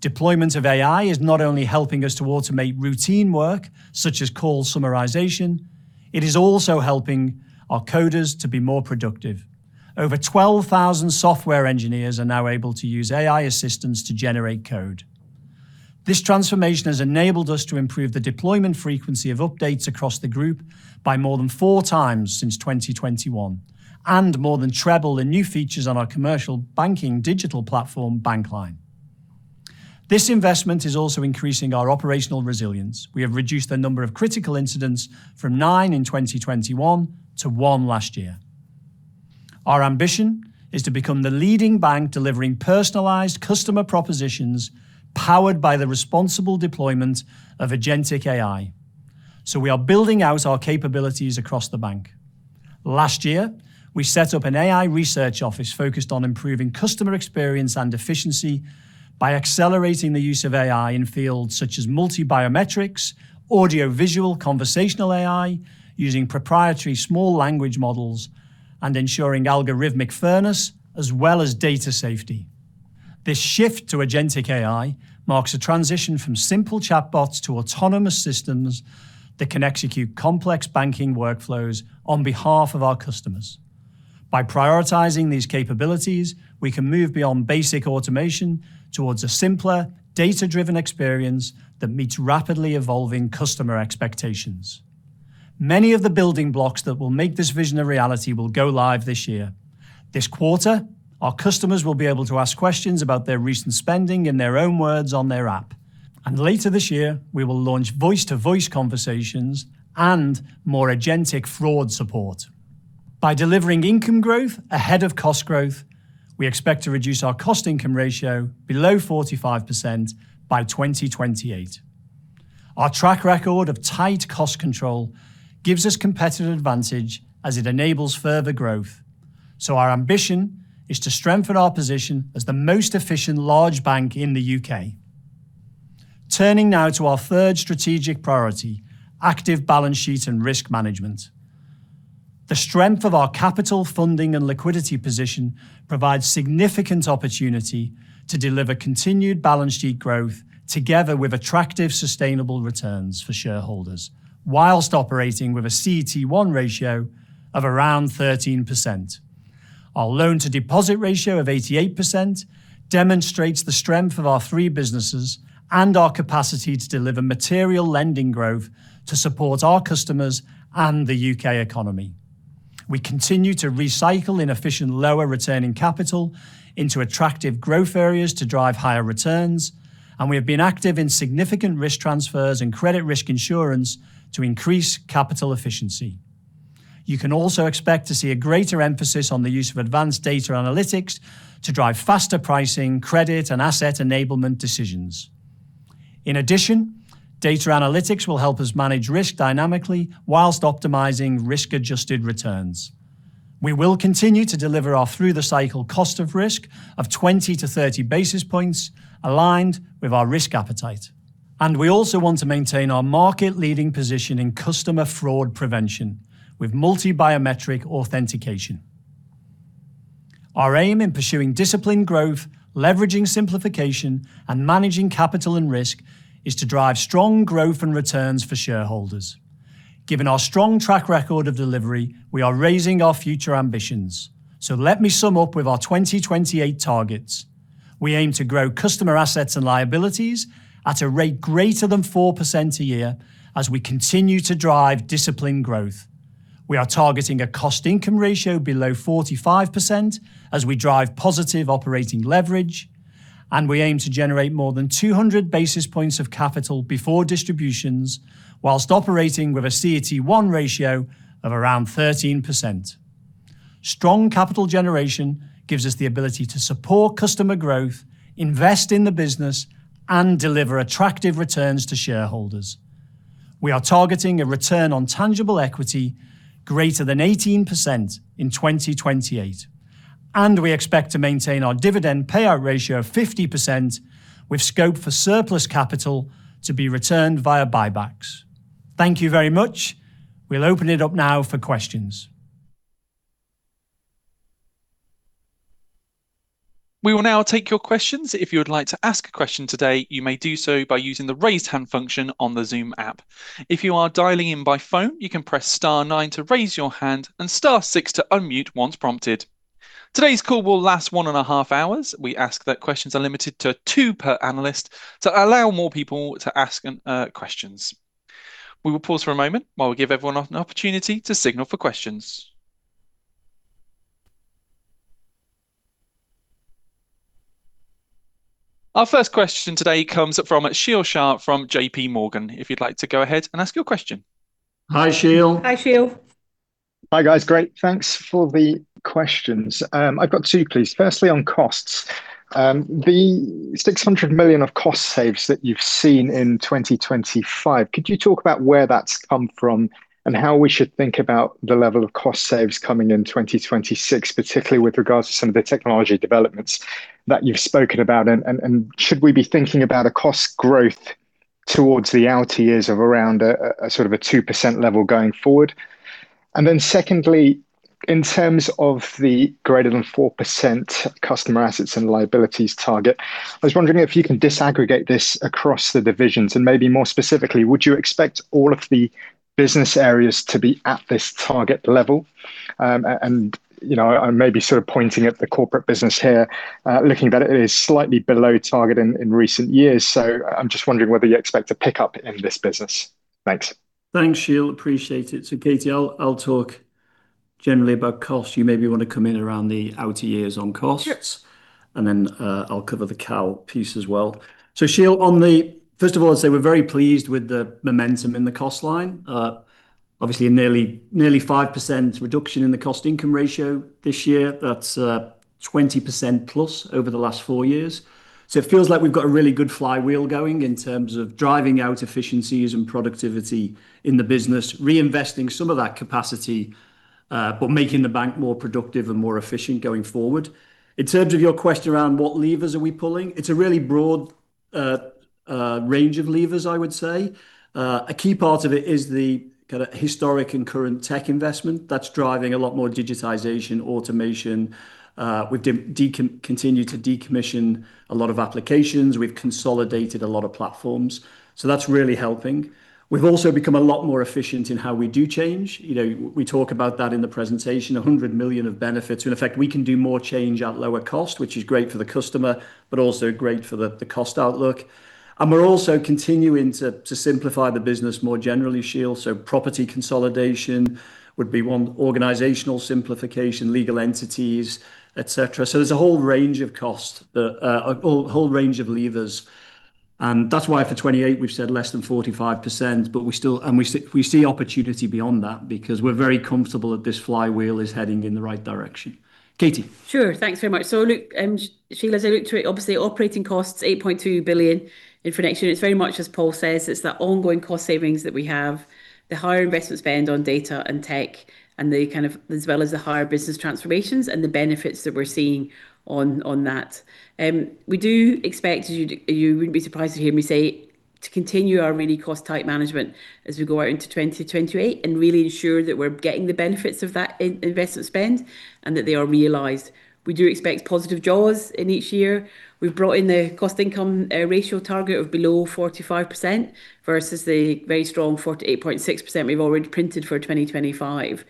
Deployment of AI is not only helping us to automate routine work, such as call summarization, it is also helping our coders to be more productive. Over 12,000 software engineers are now able to use AI assistance to generate code. This transformation has enabled us to improve the deployment frequency of updates across the group by more than four times since 2021, and more than treble the new features on our commercial banking digital platform, Bankline. This investment is also increasing our operational resilience. We have reduced the number of critical incidents from nine in 2021 to one last year. Our ambition is to become the leading bank delivering personalized customer propositions, powered by the responsible deployment of agentic AI, so we are building out our capabilities across the bank. Last year, we set up an AI research office focused on improving customer experience and efficiency by accelerating the use of AI in fields such as multi-biometrics, audio-visual conversational AI, using proprietary small language models, and ensuring algorithmic fairness, as well as data safety. This shift to agentic AI marks a transition from simple chatbots to autonomous systems that can execute complex banking workflows on behalf of our customers. By prioritizing these capabilities, we can move beyond basic automation towards a simpler, data-driven experience that meets rapidly evolving customer expectations. Many of the building blocks that will make this vision a reality will go live this year. This quarter, our customers will be able to ask questions about their recent spending in their own words on their app, and later this year, we will launch voice-to-voice conversations and more agentic fraud support. By delivering income growth ahead of cost growth, we expect to reduce our cost-income ratio below 45% by 2028. Our track record of tight cost control gives us competitive advantage, as it enables further growth. Our ambition is to strengthen our position as the most efficient large bank in the U.K. Turning now to our third strategic priority, active balance sheet and risk management. The strength of our capital funding and liquidity position provides significant opportunity to deliver continued balance sheet growth, together with attractive, sustainable returns for shareholders, whilst operating with a CET1 ratio of around 13%. Our loan-to-deposit ratio of 88% demonstrates the strength of our three businesses and our capacity to deliver material lending growth to support our customers and the U.K economy. We continue to recycle inefficient, lower returning capital into attractive growth areas to drive higher returns, and we have been active in significant risk transfers and credit risk insurance to increase capital efficiency. You can also expect to see a greater emphasis on the use of advanced data analytics to drive faster pricing, credit, and asset enablement decisions. In addition, data analytics will help us manage risk dynamically whilst optimizing risk-adjusted returns. We will continue to deliver our through-the-cycle cost of risk of 20-30 basis points, aligned with our risk appetite. We also want to maintain our market-leading position in customer fraud prevention with multi-biometric authentication. Our aim in pursuing disciplined growth, leveraging simplification, and managing capital and risk is to drive strong growth and returns for shareholders. Given our strong track record of delivery, we are raising our future ambitions. Let me sum up with our 2028 targets. We aim to grow customer assets and liabilities at a rate greater than 4% a year, as we continue to drive disciplined growth. We are targeting a cost-income ratio below 45%, as we drive positive operating leverage, and we aim to generate more than 200 basis points of capital before distributions, while operating with a CET1 ratio of around 13%. Strong capital generation gives us the ability to support customer growth, invest in the business, and deliver attractive returns to shareholders. We are targeting a return on tangible equity greater than 18% in 2028, and we expect to maintain our dividend payout ratio of 50%, with scope for surplus capital to be returned via buybacks. Thank you very much. We'll open it up now for questions. We will now take your questions. If you would like to ask a question today, you may do so by using the Raise Hand function on the Zoom app. If you are dialing in by phone, you can press star nine to raise your hand and star six to unmute once prompted. Today's call will last 1.5 hours. We ask that questions are limited to 2 per analyst to allow more people to ask questions. We will pause for a moment while we give everyone an opportunity to signal for questions. Our first question today comes from Sheel Shah from JPMorgan. If you'd like to go ahead and ask your question. Hi, Sheel. Hi, Sheel. Hi, guys. Great, thanks for the questions. I've got two, please. Firstly, on costs, the 600 million of cost saves that you've seen in 2025, could you talk about where that's come from and how we should think about the level of cost saves coming in 2026, particularly with regards to some of the technology developments that you've spoken about? And should we be thinking about a cost growth towards the outer years of around a sort of a 2% level going forward? And then secondly, in terms of the greater than 4% customer assets and liabilities target, I was wondering if you can disaggregate this across the divisions, and maybe more specifically, would you expect all of the business areas to be at this target level? You know, I may be sort of pointing at the corporate business here, looking that it is slightly below target in recent years. So I'm just wondering whether you expect to pick up in this business. Thanks. Thanks, Sheel, appreciate it. So, Katie, I'll talk generally about cost. You maybe want to come in around the outer years on costs. Sure. I'll cover the CAL piece as well. Sheel, on the first of all, I'd say we're very pleased with the momentum in the cost line. Obviously, a nearly 5% reduction in the cost-income ratio this year. That's 20%+ over the last four years. It feels like we've got a really good flywheel going in terms of driving out efficiencies and productivity in the business, reinvesting some of that capacity, but making the bank more productive and more efficient going forward. In terms of your question around what levers are we pulling, it's a really broad range of levers, I would say. A key part of it is the kind of historic and current tech investment that's driving a lot more digitization, automation. We continue to decommission a lot of applications. We've consolidated a lot of platforms, so that's really helping. We've also become a lot more efficient in how we do change. You know, we talk about that in the presentation, 100 million of benefits. So in effect, we can do more change at lower cost, which is great for the customer, but also great for the cost outlook. And we're also continuing to simplify the business more generally, Sheel. So property consolidation would be one, organizational simplification, legal entities, et cetera. So there's a whole range of costs that, a whole range of levers, and that's why for 2028, we've said less than 45%, but we still, and we see opportunity beyond that because we're very comfortable that this flywheel is heading in the right direction. Katie? Sure. Thanks very much. So look, Sheel, as I looked through it, obviously, operating costs, 8.2 billion in financial year. It's very much as Paul says, it's the ongoing cost savings that we have, the higher investment spend on data and tech, and the kind of as well as the higher business transformations and the benefits that we're seeing on that. We do expect you, you wouldn't be surprised to hear me say, to continue our really cost-tight management as we go out into 2028 and really ensure that we're getting the benefits of that in investment spend and that they are realized. We do expect positive jaws in each year. We've brought in the cost-income ratio target of below 45% versus the very strong 48.6% we've already printed for 2025.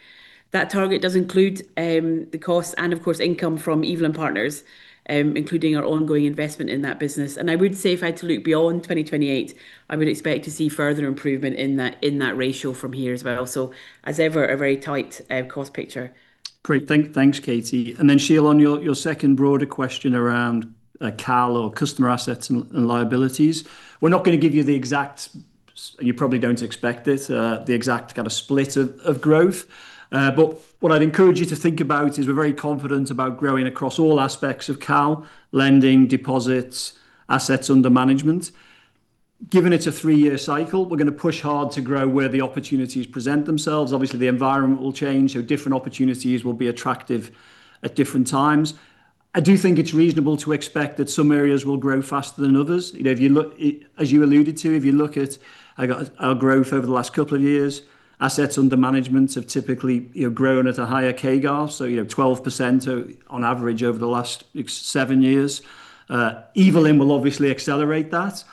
That target does include, the costs and, of course, income from Evelyn Partners, including our ongoing investment in that business. I would say, if I had to look beyond 2028, I would expect to see further improvement in that, in that ratio from here as well. As ever, a very tight cost picture. Great. Thanks, Katie. And then, Sheel, on your second broader question around CAL or customer assets and liabilities. We're not going to give you the exact; you probably don't expect it, the exact kind of split of growth, but what I'd encourage you to think about is we're very confident about growing across all aspects of CAL: lending, deposits, assets under management. Given it's a three-year cycle, we're going to push hard to grow where the opportunities present themselves. Obviously, the environment will change, so different opportunities will be attractive at different times. I do think it's reasonable to expect that some areas will grow faster than others. You know, if you look, as you alluded to, if you look at, like, our growth over the last couple of years, assets under management have typically, you know, grown at a higher CAGR. So, you know, 12% on average over the last seven years. Evelyn will obviously accelerate that,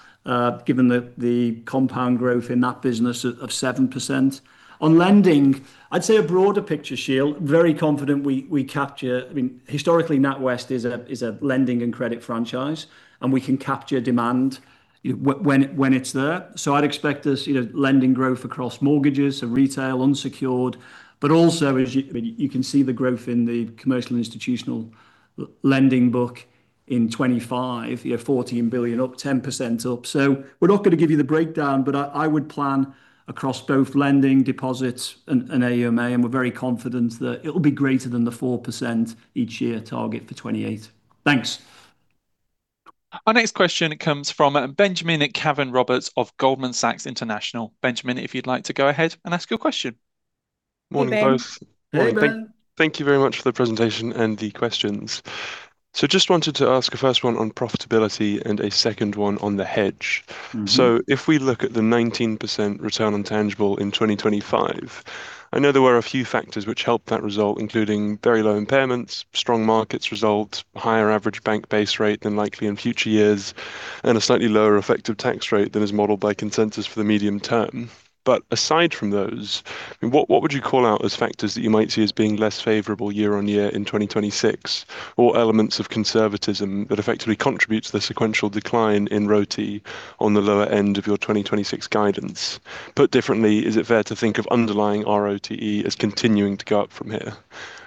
given the compound growth in that business of 7%. On lending, I'd say a broader picture, Sheel, very confident we capture—I mean, historically, NatWest is a lending and credit franchise, and we can capture demand when it's there. So I'd expect to see the lending growth across mortgages, so retail, unsecured, but also, as you can see the growth in the commercial institutional lending book in 2025, you have 14 billion, up 10%. So we're not going to give you the breakdown, but I would plan across both lending, deposits, and AUMA, and we're very confident that it'll be greater than the 4% each year target for 2028. Thanks. Our next question comes from Benjamin Cavan Roberts of Goldman Sachs International. Benjamin, if you'd like to go ahead and ask your question. Morning, guys. Hey Ben. Hey Ben. Thank you very much for the presentation and the questions. Just wanted to ask a first one on profitability and a second one on the hedge. Mm-hmm. So if we look at the 19% return on tangible in 2025, I know there were a few factors which helped that result, including very low impairments, strong markets result, higher average bank base rate than likely in future years, and a slightly lower effective tax rate than is modeled by consensus for the medium term. But aside from those, what, what would you call out as factors that you might see as being less favorable year-over-year in 2026, or elements of conservatism that effectively contributes to the sequential decline in ROTE on the lower end of your 2026 guidance? Put differently, is it fair to think of underlying ROTE as continuing to go up from here?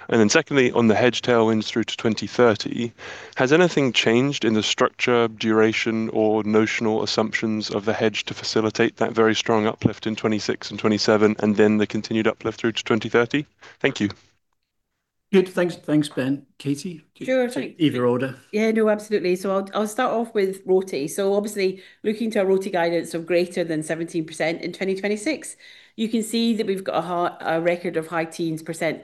And then secondly, on the hedge tailwinds through to 2030, has anything changed in the structure, duration, or notional assumptions of the hedge to facilitate that very strong uplift in 2026 and 2027, and then the continued uplift through to 2030? Thank you. Good. Thanks. Thanks, Ben. Katie? Sure. Either order. Yeah, no, absolutely. So I'll start off with ROTE. So obviously, looking to our ROTE guidance of greater than 17% in 2026, you can see that we've got a high, a record of high teens %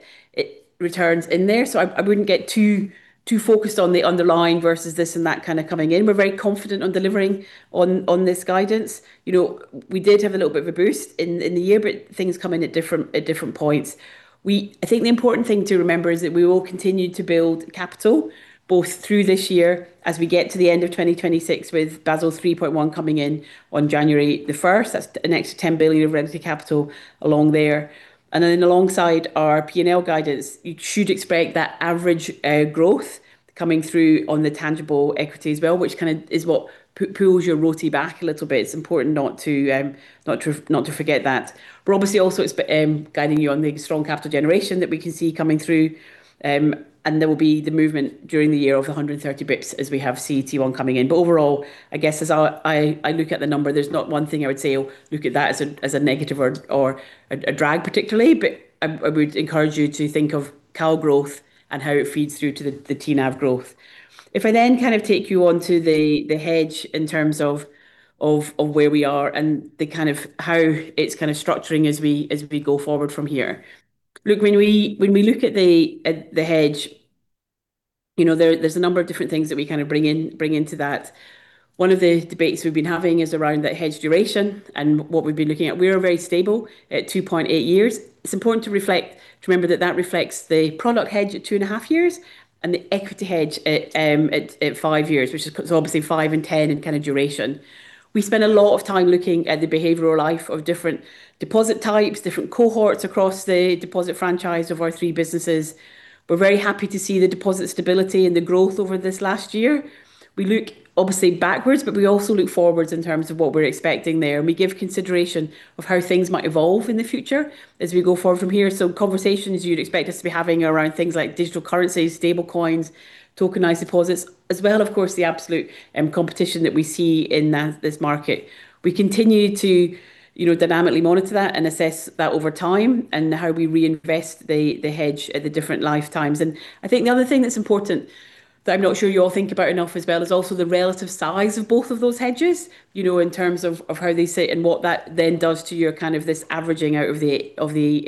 returns in there. So I wouldn't get too focused on the underlying versus this and that kind of coming in. We're very confident on delivering on this guidance. You know, we did have a little bit of a boost in the year, but things come in at different points. We. I think the important thing to remember is that we will continue to build capital, both through this year as we get to the end of 2026, with Basel 3.1 coming in on January the first. That's an extra 10 billion of regulatory capital along there. And then alongside our PNL guidance, you should expect that average growth coming through on the tangible equity as well, which kind of is what pulls your ROTE back a little bit. It's important not to, not to, not to forget that. We're obviously also guiding you on the strong capital generation that we can see coming through. And there will be the movement during the year of 130 bps as we have CET1 coming in. But overall, I guess as I, I, I look at the number, there's not one thing I would say, Oh, look at that as a, as a negative or, or a, a drag particularly, but I, I would encourage you to think of CAL growth and how it feeds through to the, the TNAV growth. If I then kind of take you on to the hedge in terms of of where we are and the kind of how it's kind of structuring as we go forward from here. Look, when we look at the hedge, you know, there's a number of different things that we kind of bring into that. One of the debates we've been having is around that hedge duration and what we've been looking at. We are very stable at 2.8 years. It's important to reflect, to remember that that reflects the product hedge at 2.5 years, and the equity hedge at five years, which is obviously five and 10 in kind of duration. We spend a lot of time looking at the behavioral life of different deposit types, different cohorts across the deposit franchise of our three businesses. We're very happy to see the deposit stability and the growth over this last year. We look obviously backwards, but we also look forwards in terms of what we're expecting there, and we give consideration of how things might evolve in the future as we go forward from here. So conversations you'd expect us to be having around things like digital currencies, stable coins, tokenized deposits, as well, of course, the absolute competition that we see in that, this market. We continue to, you know, dynamically monitor that and assess that over time and how we reinvest the, the hedge at the different lifetimes. I think the other thing that's important, that I'm not sure you all think about enough as well, is also the relative size of both of those hedges, you know, in terms of how they sit and what that then does to your kind of this averaging out of the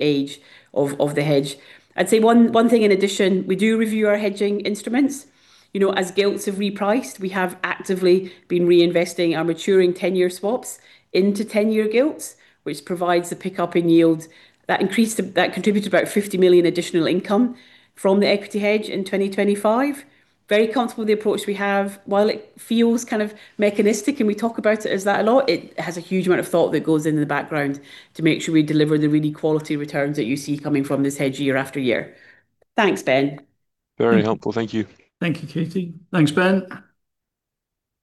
age of the hedge. I'd say one thing in addition, we do review our hedging instruments. You know, as gilts have repriced, we have actively been reinvesting our maturing 10-year swaps into 10-year gilts, which provides a pickup in yields. That contributed about 50 million additional income from the equity hedge in 2025. Very comfortable with the approach we have. While it feels kind of mechanistic and we talk about it as that a lot, it has a huge amount of thought that goes in the background to make sure we deliver the really quality returns that you see coming from this hedge year after year. Thanks, Ben. Very helpful. Thank you. Thank you, Katie. Thanks, Ben.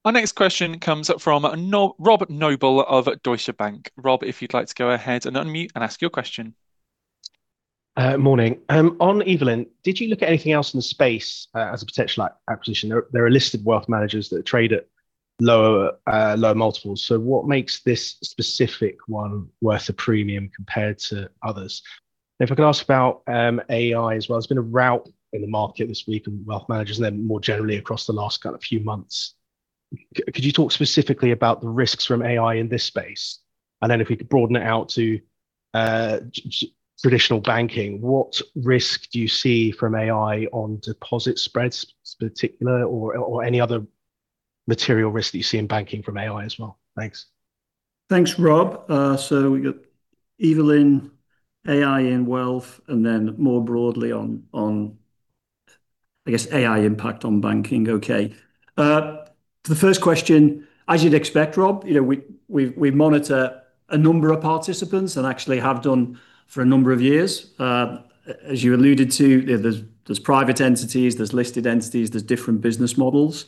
Our next question comes from Rob Noble of Deutsche Bank. Rob, if you'd like to go ahead and unmute and ask your question. Morning. On Evelyn, did you look at anything else in the space as a potential acquisition? There are listed wealth managers that trade at lower multiples. So what makes this specific one worth a premium compared to others? If I could ask about AI as well. There's been a rout in the market this week in wealth managers, and then more generally across the last kind of few months. Could you talk specifically about the risks from AI in this space? And then if we could broaden it out to traditional banking, what risk do you see from AI on deposit spreads in particular, or any other material risk that you see in banking from AI as well? Thanks. Thanks, Rob. So we got Evelyn, AI in wealth, and then more broadly on, on, I guess, AI impact on banking. Okay. The first question, as you'd expect, Rob, you know, we monitor a number of participants and actually have done for a number of years. As you alluded to, there's private entities, there's listed entities, there's different business models.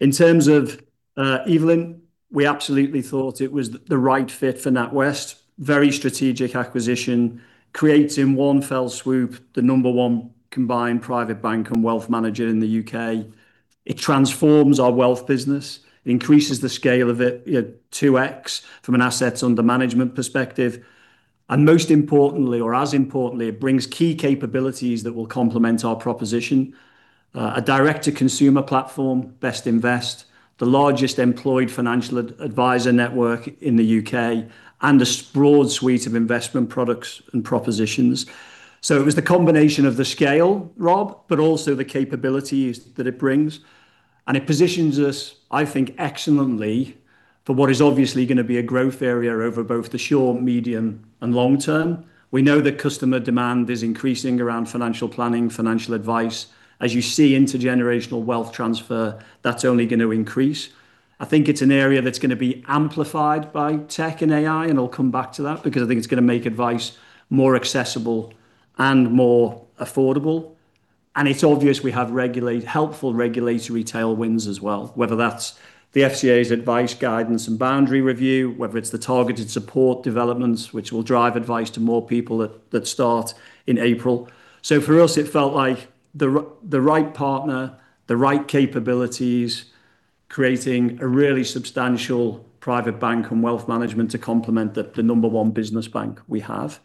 In terms of Evelyn, we absolutely thought it was the right fit for NatWest. Very strategic acquisition creates in one fell swoop, the number one combined private bank and wealth manager in the U.K. It transforms our wealth business, increases the scale of it, you know, 2x from an assets under management perspective. And most importantly, or as importantly, it brings key capabilities that will complement our proposition. A direct-to-consumer platform, Bestinvest, the largest employed financial advisor network in the U.K., and a broad suite of investment products and propositions. So it was the combination of the scale, Rob, but also the capabilities that it brings, and it positions us, I think, excellently for what is obviously going to be a growth area over both the short, medium, and long term. We know that customer demand is increasing around financial planning, financial advice. As you see, intergenerational wealth transfer, that's only going to increase. I think it's an area that's going to be amplified by tech and AI, and I'll come back to that because I think it's going to make advice more accessible and more affordable. It's obvious we have helpful regulatory tailwinds as well, whether that's the FCA's Advice Guidance Boundary Review, whether it's the targeted support developments, which will drive advice to more people that start in April. For us, it felt like the right partner, the right capabilities creating a really substantial private bank and wealth management to complement the number one business bank we have.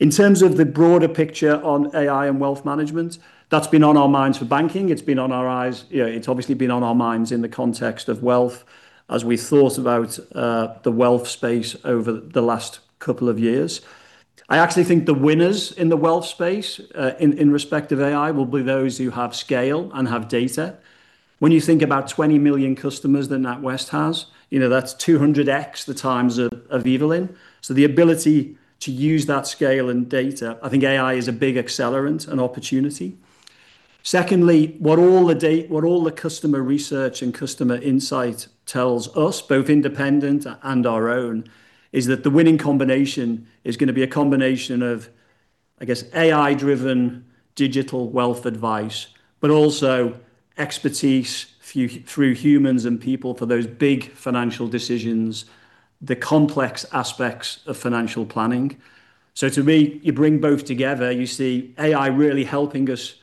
In terms of the broader picture on AI and wealth management, that's been on our minds for banking. It's been on our eyes, you know, it's obviously been on our minds in the context of wealth as we thought about the wealth space over the last couple of years. I actually think the winners in the wealth space in respect of AI will be those who have scale and have data. When you think about 20 million customers that NatWest has, you know, that's 200x the times of Evelyn. So the ability to use that scale and data, I think AI is a big accelerant and opportunity. Secondly, what all the customer research and customer insight tells us, both independent and our own, is that the winning combination is gonna be a combination of, I guess, AI-driven digital wealth advice, but also expertise through humans and people for those big financial decisions, the complex aspects of financial planning. So to me, you bring both together, you see AI really helping us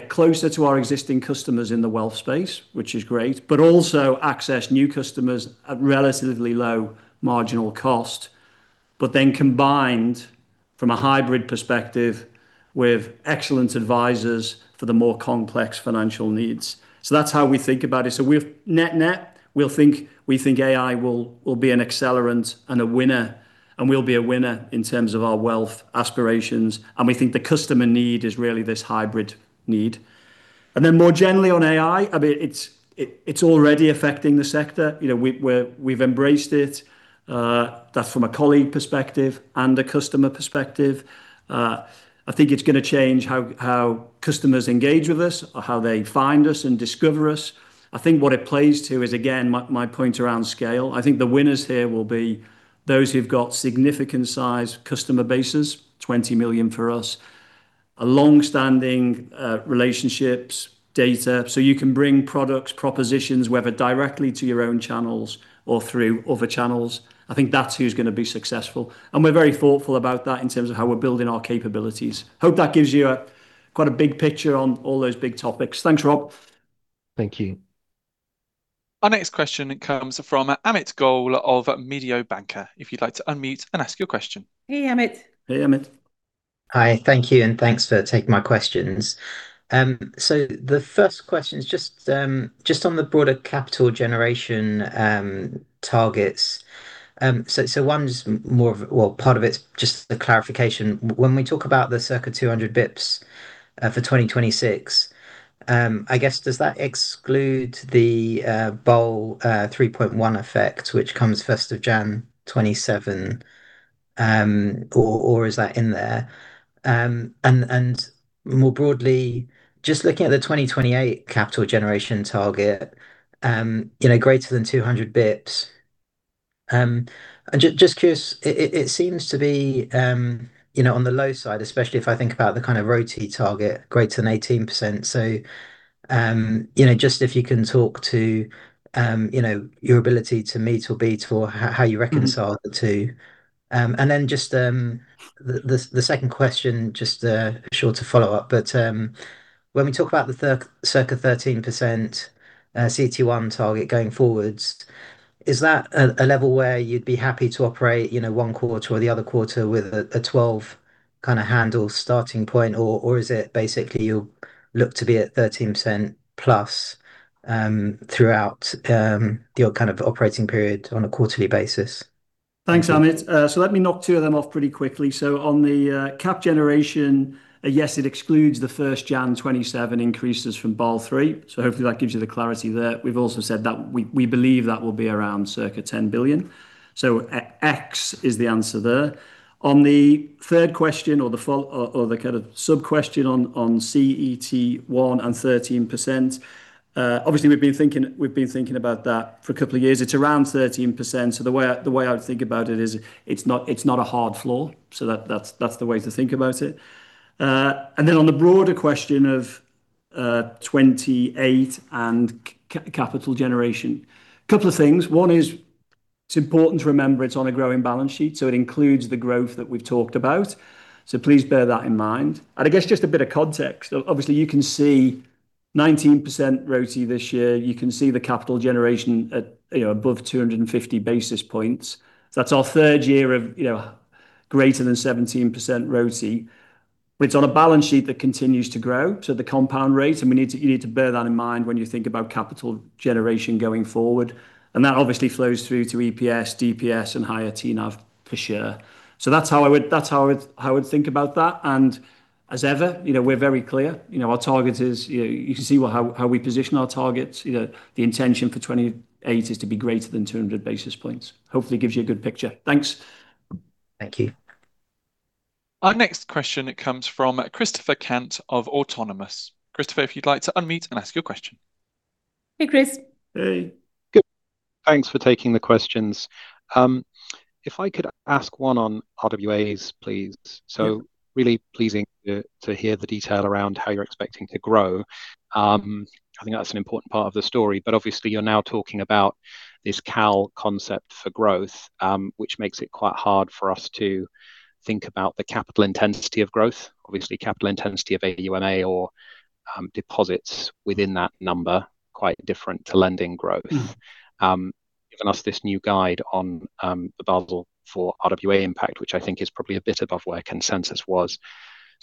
get closer to our existing customers in the wealth space, which is great, but also access new customers at relatively low marginal cost. But then combined from a hybrid perspective with excellent advisors for the more complex financial needs. So that's how we think about it. So we've net-net, we think AI will be an accelerant and a winner, and we'll be a winner in terms of our wealth aspirations, and we think the customer need is really this hybrid need. And then more generally on AI, I mean, it's already affecting the sector. You know, we've embraced it, that's from a colleague perspective and a customer perspective. I think it's gonna change how customers engage with us or how they find us and discover us. I think what it plays to is, again, my point around scale. I think the winners here will be those who've got significant size customer bases, 20 million for us, a long-standing relationships, data. So you can bring products, propositions, whether directly to your own channels or through other channels. I think that's who's gonna be successful, and we're very thoughtful about that in terms of how we're building our capabilities. Hope that gives you a, quite a big picture on all those big topics. Thanks, Rob. Thank you. Our next question comes from Amit Goel of Mediobanca. If you'd like to unmute and ask your question. Hey, Amit! Hey, Amit. Hi, thank you, and thanks for taking my questions. So the first question is just on the broader capital generation targets. So one, just more of... well, part of it's just a clarification. When we talk about the circa 200 bps for 2026, I guess, does that exclude the Basel 3.1 effect, which comes first of January 2027, or is that in there? And more broadly, just looking at the 2028 capital generation target, you know, greater than 200 bps, I'm just curious, it seems to be, you know, on the low side, especially if I think about the kind of ROTE target greater than 18%. So, you know, just if you can talk to, you know, your ability to meet or beat or how you reconcile the two. And then just, the second question, just a shorter follow-up, but when we talk about the circa 13% CET1 target going forwards, is that a level where you'd be happy to operate, you know, one quarter or the other quarter with a 12 kinda handle starting point, or is it basically you look to be at 13%+ throughout your kind of operating period on a quarterly basis? Thanks, Amit. So let me knock two of them off pretty quickly. So on the, cap generation, yes, it excludes the first January 2027 increases from Basel 3. So hopefully that gives you the clarity there. We've also said that we, we believe that will be around circa 10 billion. So, X is the answer there. On the third question, or the follow, or the kind of sub-question on, on CET1 and 13%, obviously, we've been thinking, we've been thinking about that for a couple of years. It's around 13%, so the way I, the way I would think about it is, it's not, it's not a hard floor, so that's the way to think about it. And then on the broader question of, 2028 and capital generation, a couple of things. One is, it's important to remember it's on a growing balance sheet, so it includes the growth that we've talked about. So please bear that in mind. And I guess just a bit of context, obviously, you can see 19% ROTIE this year. You can see the capital generation at, you know, above 250 basis points. That's our third year of, you know, greater than 17% ROTIE. It's on a balance sheet that continues to grow, so at the compound rate, and we need to, you need to bear that in mind when you think about capital generation going forward. And that obviously flows through to EPS, DPS, and higher TNAV for sure. So that's how I would, that's how I would, how I would think about that, and as ever, you know, we're very clear. You know, our target is, you can see how we position our targets. You know, the intention for 2028 is to be greater than 200 basis points. Hopefully, it gives you a good picture. Thanks. Thank you. Our next question comes from Christopher Cant of Autonomous. Christopher, if you'd like to unmute and ask your question. Hey, Chris. Hey. Good. Thanks for taking the questions. If I could ask one on RWAs, please. Yeah. So really pleasing to hear the detail around how you're expecting to grow. I think that's an important part of the story, but obviously, you're now talking about this CAL concept for growth, which makes it quite hard for us to think about the capital intensity of growth. Obviously, capital intensity of AUMA or deposits within that number, quite different to lending growth. Given us this new guide on the Basel for RWA impact, which I think is probably a bit above where consensus was. So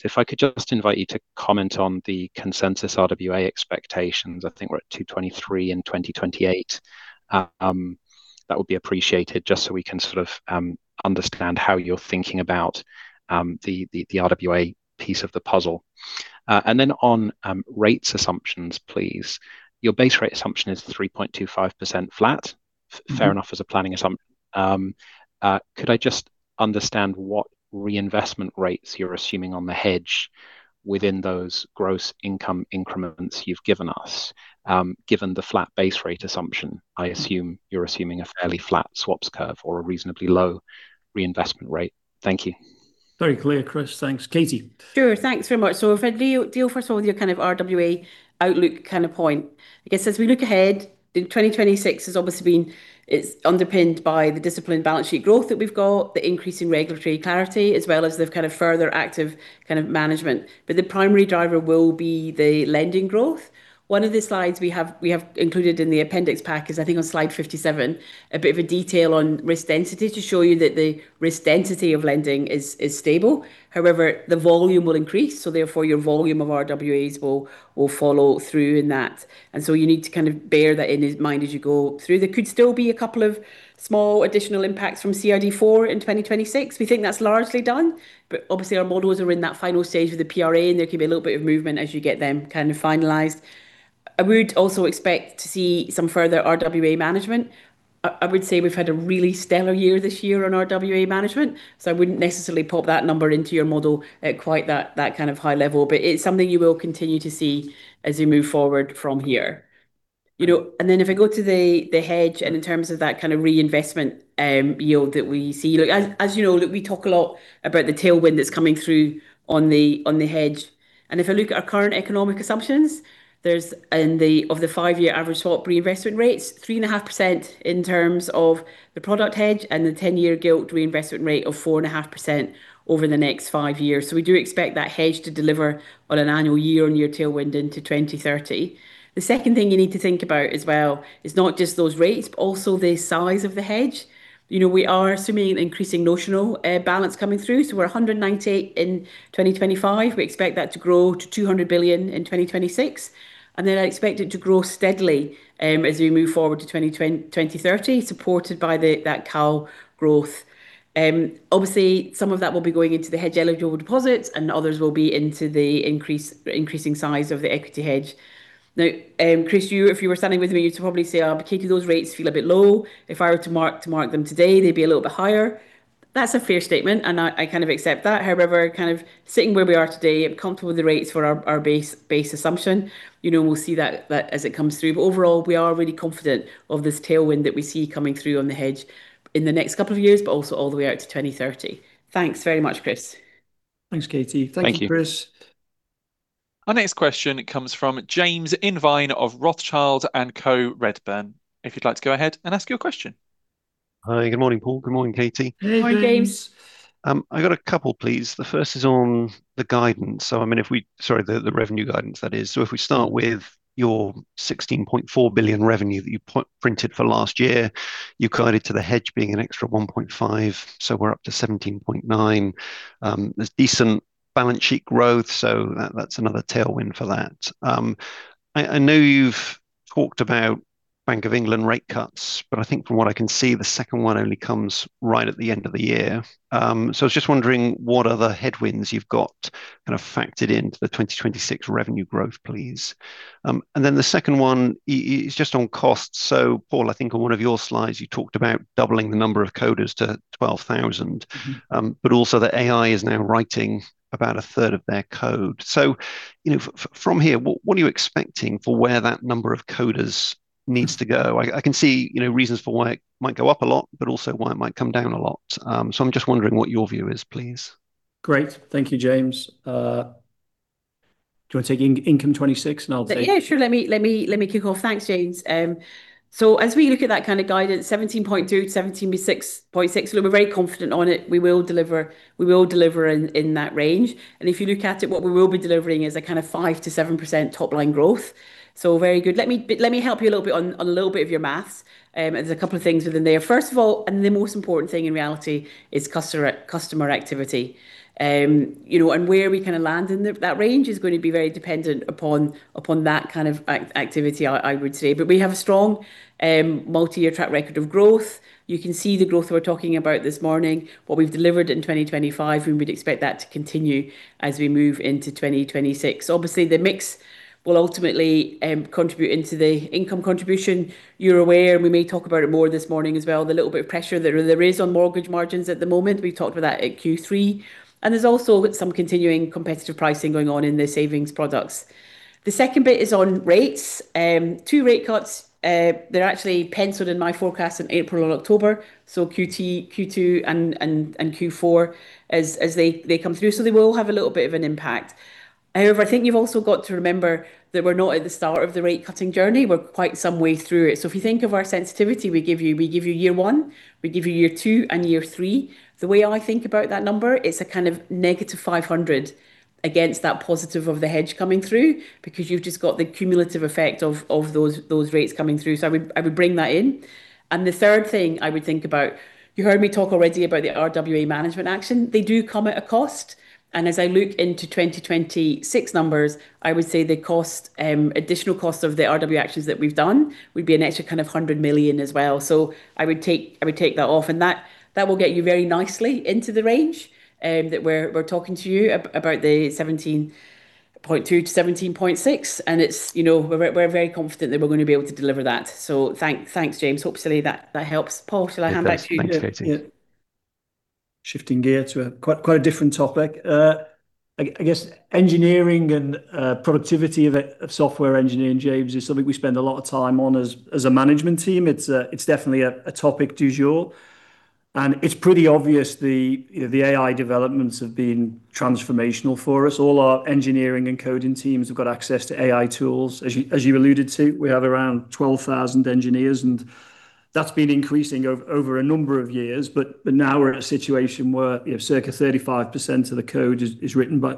if I could just invite you to comment on the consensus RWA expectations, I think we're at 2023 and 2028. That would be appreciated, just so we can sort of understand how you're thinking about the RWA piece of the puzzle. And then on rates assumptions, please. Your base rate assumption is 3.25% flat. Fair enough, as a planning assumption. Could I just understand what reinvestment rates you're assuming on the hedge within those gross income increments you've given us? Given the flat base rate assumption, I assume you're assuming a fairly flat swaps curve or a reasonably low reinvestment rate. Thank you. Very clear, Chris. Thanks. Katie? Sure. Thanks very much. So if I deal first with your kind of RWA outlook kind of point. I guess as we look ahead, in 2026 has obviously been. It's underpinned by the disciplined balance sheet growth that we've got, the increase in regulatory clarity, as well as the kind of further active kind of management. But the primary driver will be the lending growth. One of the slides we have included in the appendix pack is, I think, on slide 57, a bit of a detail on risk density to show you that the risk density of lending is stable. However, the volume will increase, so therefore, your volume of RWAs will follow through in that. And so you need to kind of bear that in mind as you go through. There could still be a couple of small additional impacts from CRD4 in 2026. We think that's largely done, but obviously, our models are in that final stage of the PRA, and there can be a little bit of movement as you get them kind of finalized. I would also expect to see some further RWA management. I would say we've had a really stellar year this year on RWA management, so I wouldn't necessarily pop that number into your model at quite that kind of high level, but it's something you will continue to see as you move forward from here. You know, and then if I go to the hedge, and in terms of that kind of reinvestment yield that we see. Like, as you know, we talk a lot about the tailwind that's coming through on the hedge. If I look at our current economic assumptions, there's in the five-year average swap reinvestment rates, 3.5% in terms of the product hedge and the ten-year gilt reinvestment rate of 4.5% over the next five years. So we do expect that hedge to deliver on an annual year-on-year tailwind into 2030. The second thing you need to think about as well is not just those rates, but also the size of the hedge. You know, we are assuming an increasing notional balance coming through, so we're 198 billion in 2025. We expect that to grow to 200 billion in 2026, and then I expect it to grow steadily as we move forward to 2030, supported by that CAL growth. Obviously, some of that will be going into the hedge-eligible deposits, and others will be into the increasing size of the equity hedge. Now, Chris, you, if you were standing with me, you'd probably say, "Katie, those rates feel a bit low. If I were to mark them today, they'd be a little bit higher." That's a fair statement, and I kind of accept that. However, kind of sitting where we are today, I'm comfortable with the rates for our base assumption. You know, we'll see that as it comes through. But overall, we are really confident of this tailwind that we see coming through on the hedge in the next couple of years, but also all the way out to 2030. Thanks very much, Chris. Thanks, Katie. Thank you. Thank you, Chris. Our next question comes from James Invine of Rothschild & Co Redburn. If you'd like to go ahead and ask your question. Hi, good morning, Paul. Good morning, Katie. Hey, James. Good morning. I got a couple, please. The first is on the guidance. So I mean, if we... Sorry, the revenue guidance, that is. So if we start with your 16.4 billion revenue that you printed for last year, you guided to the hedge being an extra 1.5, so we're up to 17.9 billion. There's decent balance sheet growth, so that, that's another tailwind for that. I know you've talked about Bank of England rate cuts, but I think from what I can see, the second one only comes right at the end of the year. So I was just wondering, what other headwinds you've got kind of factored into the 2026 revenue growth, please? And then the second one is just on costs. Paul, I think on one of your slides, you talked about doubling the number of coders to 12,000- Mm-hmm But also that AI is now writing about a third of their code. So, you know, from here, what are you expecting for where that number of coders needs to go? I can see, you know, reasons for why it might go up a lot, but also why it might come down a lot. So I'm just wondering what your view is, please. Great. Thank you, James. Do you want to take income 26, and I'll take. Yeah, sure. Let me kick off. Thanks, James. So as we look at that kind of guidance, 17.2-17.6, look, we're very confident on it. We will deliver in that range. And if you look at it, what we will be delivering is a kind of 5%-7% top-line growth. So very good. Let me help you a little bit on a little bit of your maths, there's a couple of things within there. First of all, and the most important thing in reality, is customer activity. You know, and where we kind of land in that range is going to be very dependent upon that kind of activity, I would say. But we have a strong, multi-year track record of growth. You can see the growth we're talking about this morning, what we've delivered in 2025, and we'd expect that to continue as we move into 2026. Obviously, the mix will ultimately contribute into the income contribution. You're aware, and we may talk about it more this morning as well, the little bit of pressure that there is on mortgage margins at the moment. We talked about that at Q3, and there's also some continuing competitive pricing going on in the savings products. The second bit is on rates. Two rate cuts, they're actually penciled in my forecast in April and October, so Q2 and Q4, as they come through, so they will have a little bit of an impact. However, I think you've also got to remember that we're not at the start of the rate-cutting journey, we're quite some way through it. So if you think of our sensitivity, we give you, we give you year one, we give you year two, and year three. The way I think about that number, it's a kind of -500 against that positive of the hedge coming through, because you've just got the cumulative effect of those rates coming through. So I would, I would bring that in. And the third thing I would think about, you heard me talk already about the RWA management action. They do come at a cost, and as I look into 2026 numbers, I would say the cost, additional cost of the RWA actions that we've done, would be an extra kind of 100 million as well. So I would take, I would take that off, and that, that will get you very nicely into the range, that we're, we're talking to you about the 17.2-17.6, and it's, you know, we're, we're very confident that we're gonna be able to deliver that. So thank, thanks, James. Hopefully, that, that helps. Paul, should I hand back to you? Thanks, Katie. Shifting gear to a quite, quite a different topic. I guess engineering and productivity of software engineering, James, is something we spend a lot of time on as a management team. It's definitely a topic du jour, and it's pretty obvious the, you know, the AI developments have been transformational for us. All our engineering and coding teams have got access to AI tools. As you alluded to, we have around 12,000 engineers, and that's been increasing over a number of years. But now we're at a situation where, you know, circa 35% of the code is written by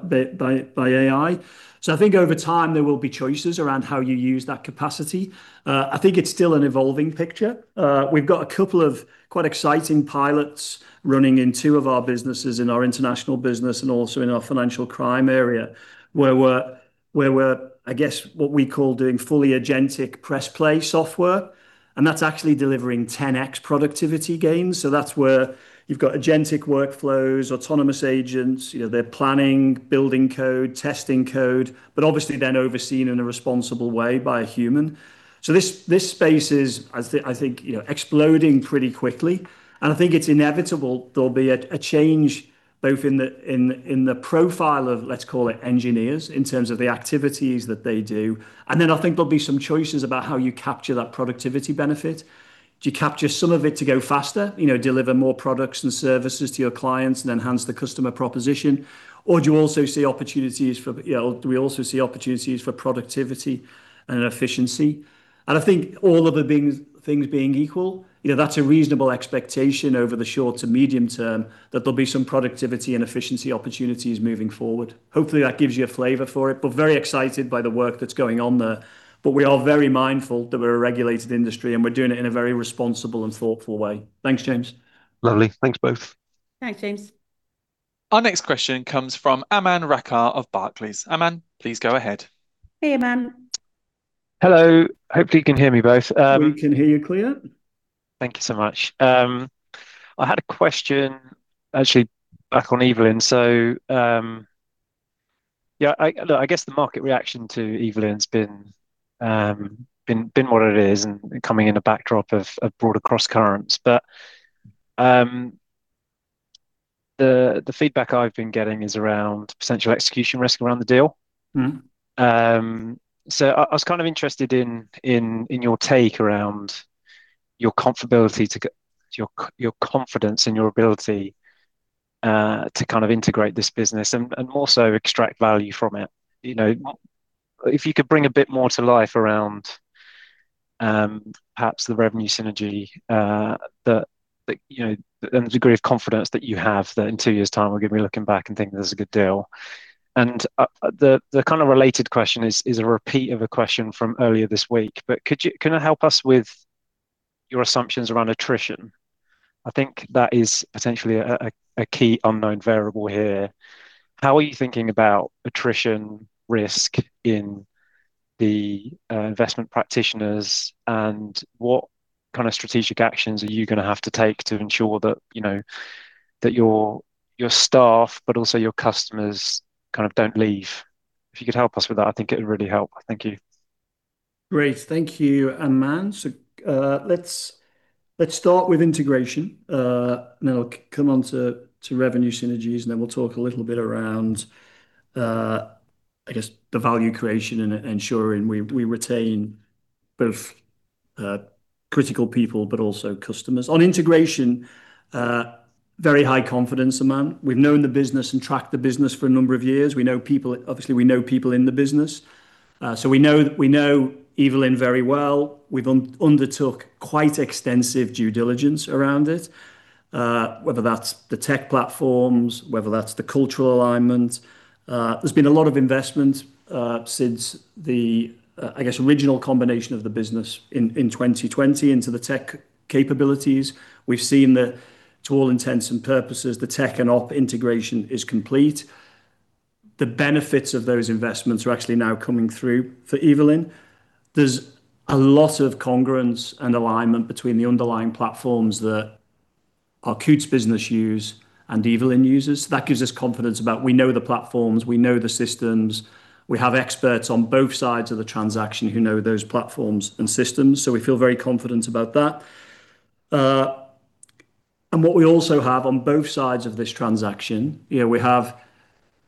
AI. So I think over time, there will be choices around how you use that capacity. I think it's still an evolving picture. We've got a couple of quite exciting pilots running in two of our businesses, in our international business and also in our financial crime area, where we're, I guess, what we call doing fully agentic press play software, and that's actually delivering 10x productivity gains. So that's where you've got agentic workflows, autonomous agents, you know, they're planning, building code, testing code, but obviously then overseen in a responsible way by a human. So this, this space is, I think, you know, exploding pretty quickly, and I think it's inevitable there'll be a, a change both in the, in, in the profile of, let's call it engineers, in terms of the activities that they do, and then I think there'll be some choices about how you capture that productivity benefit. Do you capture some of it to go faster? You know, deliver more products and services to your clients and enhance the customer proposition, or do you also see opportunities for, you know... do we also see opportunities for productivity and efficiency? And I think all other things, things being equal, you know, that's a reasonable expectation over the short to medium term, that there'll be some productivity and efficiency opportunities moving forward. Hopefully, that gives you a flavor for it, but very excited by the work that's going on there. But we are very mindful that we're a regulated industry, and we're doing it in a very responsible and thoughtful way. Thanks, James. Lovely. Thanks, both. Thanks, James. Our next question comes from Aman Rakkar of Barclays. Aman, please go ahead. Hey, Aman. Hello. Hopefully, you can hear me, both. We can hear you clear. Thank you so much. I had a question actually back on Evelyn. So, yeah, I, look, I guess the market reaction to Evelyn's been what it is and coming in a backdrop of broader crosscurrents. But, the feedback I've been getting is around potential execution risk around the deal. Mm-hmm. So I was kind of interested in your take around your comfortability, your confidence and your ability to kind of integrate this business and also extract value from it. You know, if you could bring a bit more to life around perhaps the revenue synergy, you know, and the degree of confidence that you have, that in two years' time, we're gonna be looking back and thinking, "This is a good deal." And the kind of related question is a repeat of a question from earlier this week, but could you... can you help us with your assumptions around attrition? I think that is potentially a key unknown variable here. How are you thinking about attrition risk in the, investment practitioners, and what kind of strategic actions are you gonna have to take to ensure that, you know, that your, your staff, but also your customers, kind of don't leave? If you could help us with that, I think it would really help. Thank you. Great. Thank you, Aman. So, let's start with integration, and then I'll come on to revenue synergies, and then we'll talk a little bit around, I guess, the value creation and ensuring we retain both critical people, but also customers. On integration, very high confidence, Aman. We've known the business and tracked the business for a number of years. We know people, obviously, we know people in the business, so we know Evelyn very well. We've undertook quite extensive due diligence around it, whether that's the tech platforms, whether that's the cultural alignment. There's been a lot of investment since the, I guess, original combination of the business in 2020 into the tech capabilities. We've seen that, to all intents and purposes, the tech and op integration is complete. The benefits of those investments are actually now coming through for Evelyn. There's a lot of congruence and alignment between the underlying platforms that our Coutts business use and Evelyn uses. That gives us confidence about, we know the platforms, we know the systems, we have experts on both sides of the transaction who know those platforms and systems, so we feel very confident about that. And what we also have on both sides of this transaction, you know, we have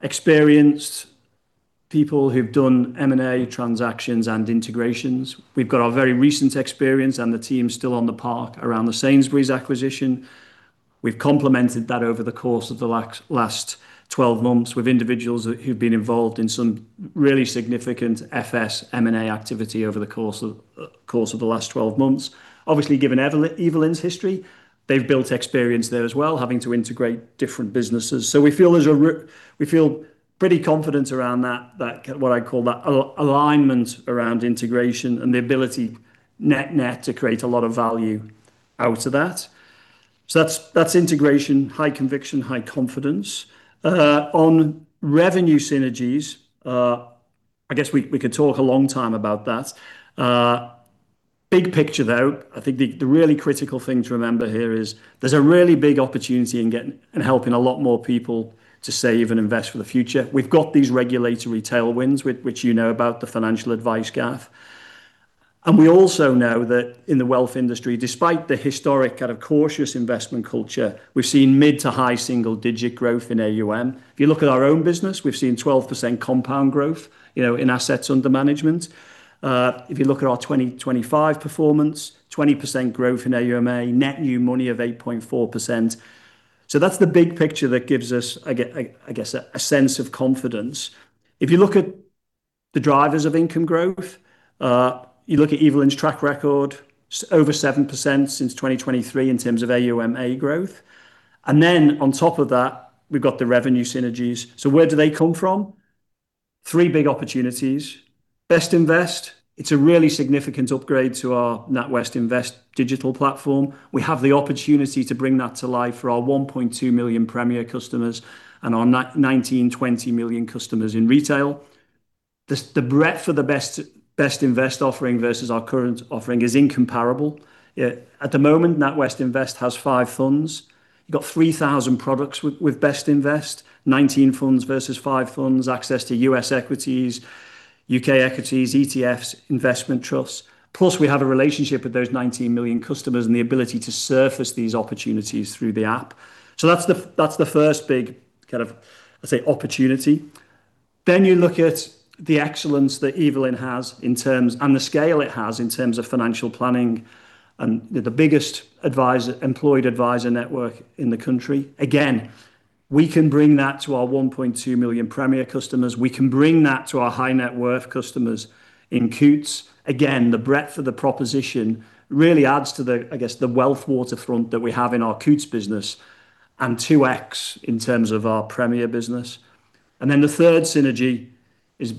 experienced people who've done M&A transactions and integrations. We've got our very recent experience, and the team's still on the park around the Sainsbury's acquisition. We've complemented that over the course of the last twelve months with individuals that who've been involved in some really significant FS M&A activity over the course of the last 12 months. Obviously, given Evelyn, Evelyn's history, they've built experience there as well, having to integrate different businesses. So we feel pretty confident around that, that, what I call that alignment around integration and the ability, net-net, to create a lot of value out of that. So that's integration, high conviction, high confidence. On revenue synergies, I guess we could talk a long time about that. Big picture, though, I think the really critical thing to remember here is there's a really big opportunity in getting and helping a lot more people to save and invest for the future. We've got these regulatory tailwinds, which you know about, the financial advice gap. And we also know that in the wealth industry, despite the historic kind of cautious investment culture, we've seen mid- to high single-digit growth in AUM. If you look at our own business, we've seen 12% compound growth, you know, in assets under management. If you look at our 2025 performance, 20% growth in AUMA, net new money of 8.4%. So that's the big picture that gives us, I guess, I, I guess, a sense of confidence. If you look at the drivers of income growth, you look at Evelyn's track record, over 7% since 2023 in terms of AUMA growth. And then, on top of that, we've got the revenue synergies. So where do they come from? Three big opportunities. Bestinvest, it's a really significant upgrade to our NatWest Invest digital platform. We have the opportunity to bring that to life for our 1.2 million Premier customers and our 19-20 million customers in retail. The breadth for the Bestinvest offering versus our current offering is incomparable. At the moment, NatWest Invest has five funds. You've got 3,000 products with Bestinvest, 19 funds versus five funds, access to US equities, UK equities, ETFs, investment trusts. Plus, we have a relationship with those 19 million customers and the ability to surface these opportunities through the app. So that's the first big kind of, let's say, opportunity. Then you look at the excellence that Evelyn has in terms and the scale it has, in terms of financial planning and the biggest advisor employed advisor network in the country. Again, we can bring that to our 1.2 million Premier customers. We can bring that to our high-net-worth customers in Coutts. Again, the breadth of the proposition really adds to the, I guess, the wealth waterfront that we have in our Coutts business and 2x in terms of our Premier business. And then the third synergy is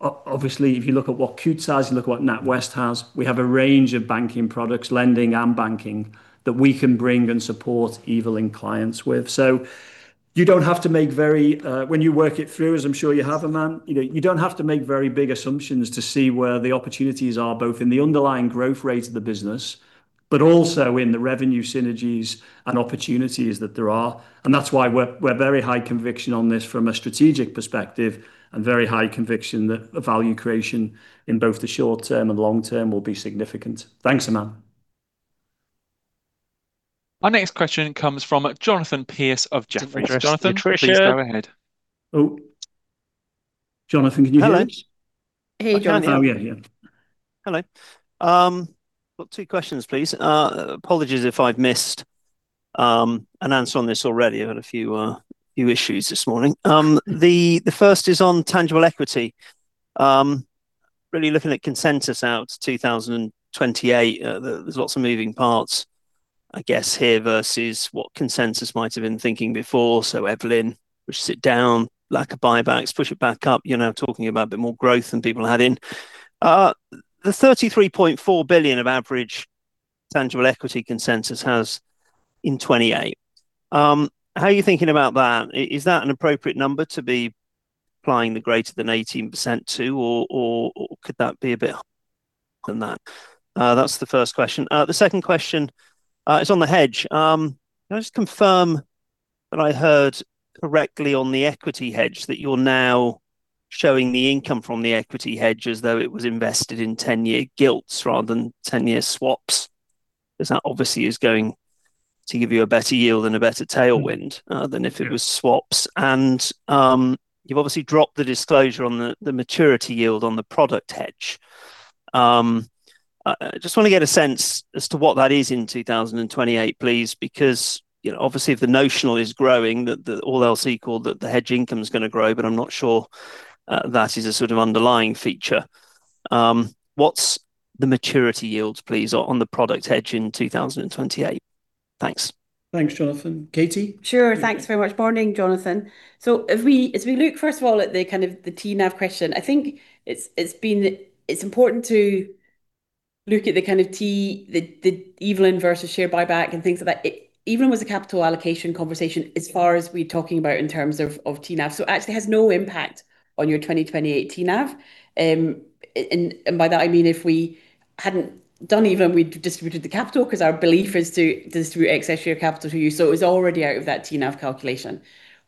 obviously, if you look at what Coutts has, you look at what NatWest has, we have a range of banking products, lending and banking, that we can bring and support Evelyn clients with. So you don't have to make very. When you work it through, as I'm sure you have, Aman, you know, you don't have to make very big assumptions to see where the opportunities are, both in the underlying growth rate of the business, but also in the revenue synergies and opportunities that there are. That's why we're, we're very high conviction on this from a strategic perspective, and very high conviction that the value creation in both the short term and long term will be significant. Thanks, Aman. Our next question comes from Jonathan Pierce of Jefferies. Jonathan Pierce. Jonathan, please go ahead. Oh, Jonathan, can you hear us? Hello. Oh, yeah, yeah. Hello. Got two questions, please. Apologies if I've missed an answer on this already. I've had a few issues this morning. The first is on tangible equity. Really looking at consensus out to 2028, there's lots of moving parts, I guess, here, versus what consensus might have been thinking before. So Evelyn, which sit down, lack of buybacks, push it back up, you know, talking about a bit more growth than people had in. The 33.4 billion of average tangible equity consensus has in 2028, how are you thinking about that? Is that an appropriate number to be applying the greater than 18% to, or, or, or could that be a bit than that? That's the first question. The second question is on the hedge. Can I just confirm that I heard correctly on the equity hedge, that you're now showing the income from the equity hedge as though it was invested in 10-year gilts rather than 10-year swaps? As that obviously is going to give you a better yield and a better tailwind than if it was swaps. You've obviously dropped the disclosure on the maturity yield on the product hedge. I just want to get a sense as to what that is in 2028, please, because, you know, obviously, if the notional is growing, all else equal, that the hedge income is gonna grow, but I'm not sure that is a sort of underlying feature. What's the maturity yields, please, on the product hedge in 2028? Thanks. Thanks, Jonathan. Katie? Sure. Thanks very much. Morning, Jonathan. So if we, as we look, first of all, at the kind of the TNAV question, I think it's been important to look at the kind of the Evelyn versus share buyback and things like that. Evelyn was a capital allocation conversation as far as we're talking about in terms of TNAV. So actually, it has no impact on your 2028 TNAV. And by that, I mean, if we hadn't done Evelyn, we'd distributed the capital, 'cause our belief is to distribute excess share capital to you. So it was already out of that TNAV calculation.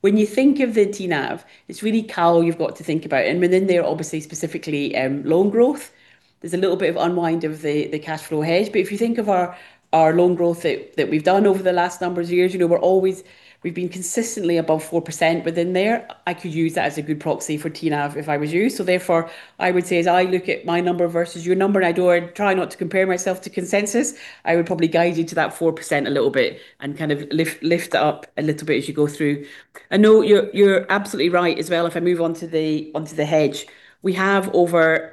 When you think of the TNAV, it's really CAL you've got to think about, and within there, obviously, specifically, loan growth. There's a little bit of unwind of the cash flow hedge, but if you think of our loan growth that we've done over the last number of years, you know, we've been consistently above 4% within there. I could use that as a good proxy for TNAV if I were you. So therefore, I would say, as I look at my number versus your number, and I do try not to compare myself to consensus, I would probably guide you to that 4% a little bit and kind of lift it up a little bit as you go through. I know you're absolutely right as well. If I move on to the, onto the hedge, we have over,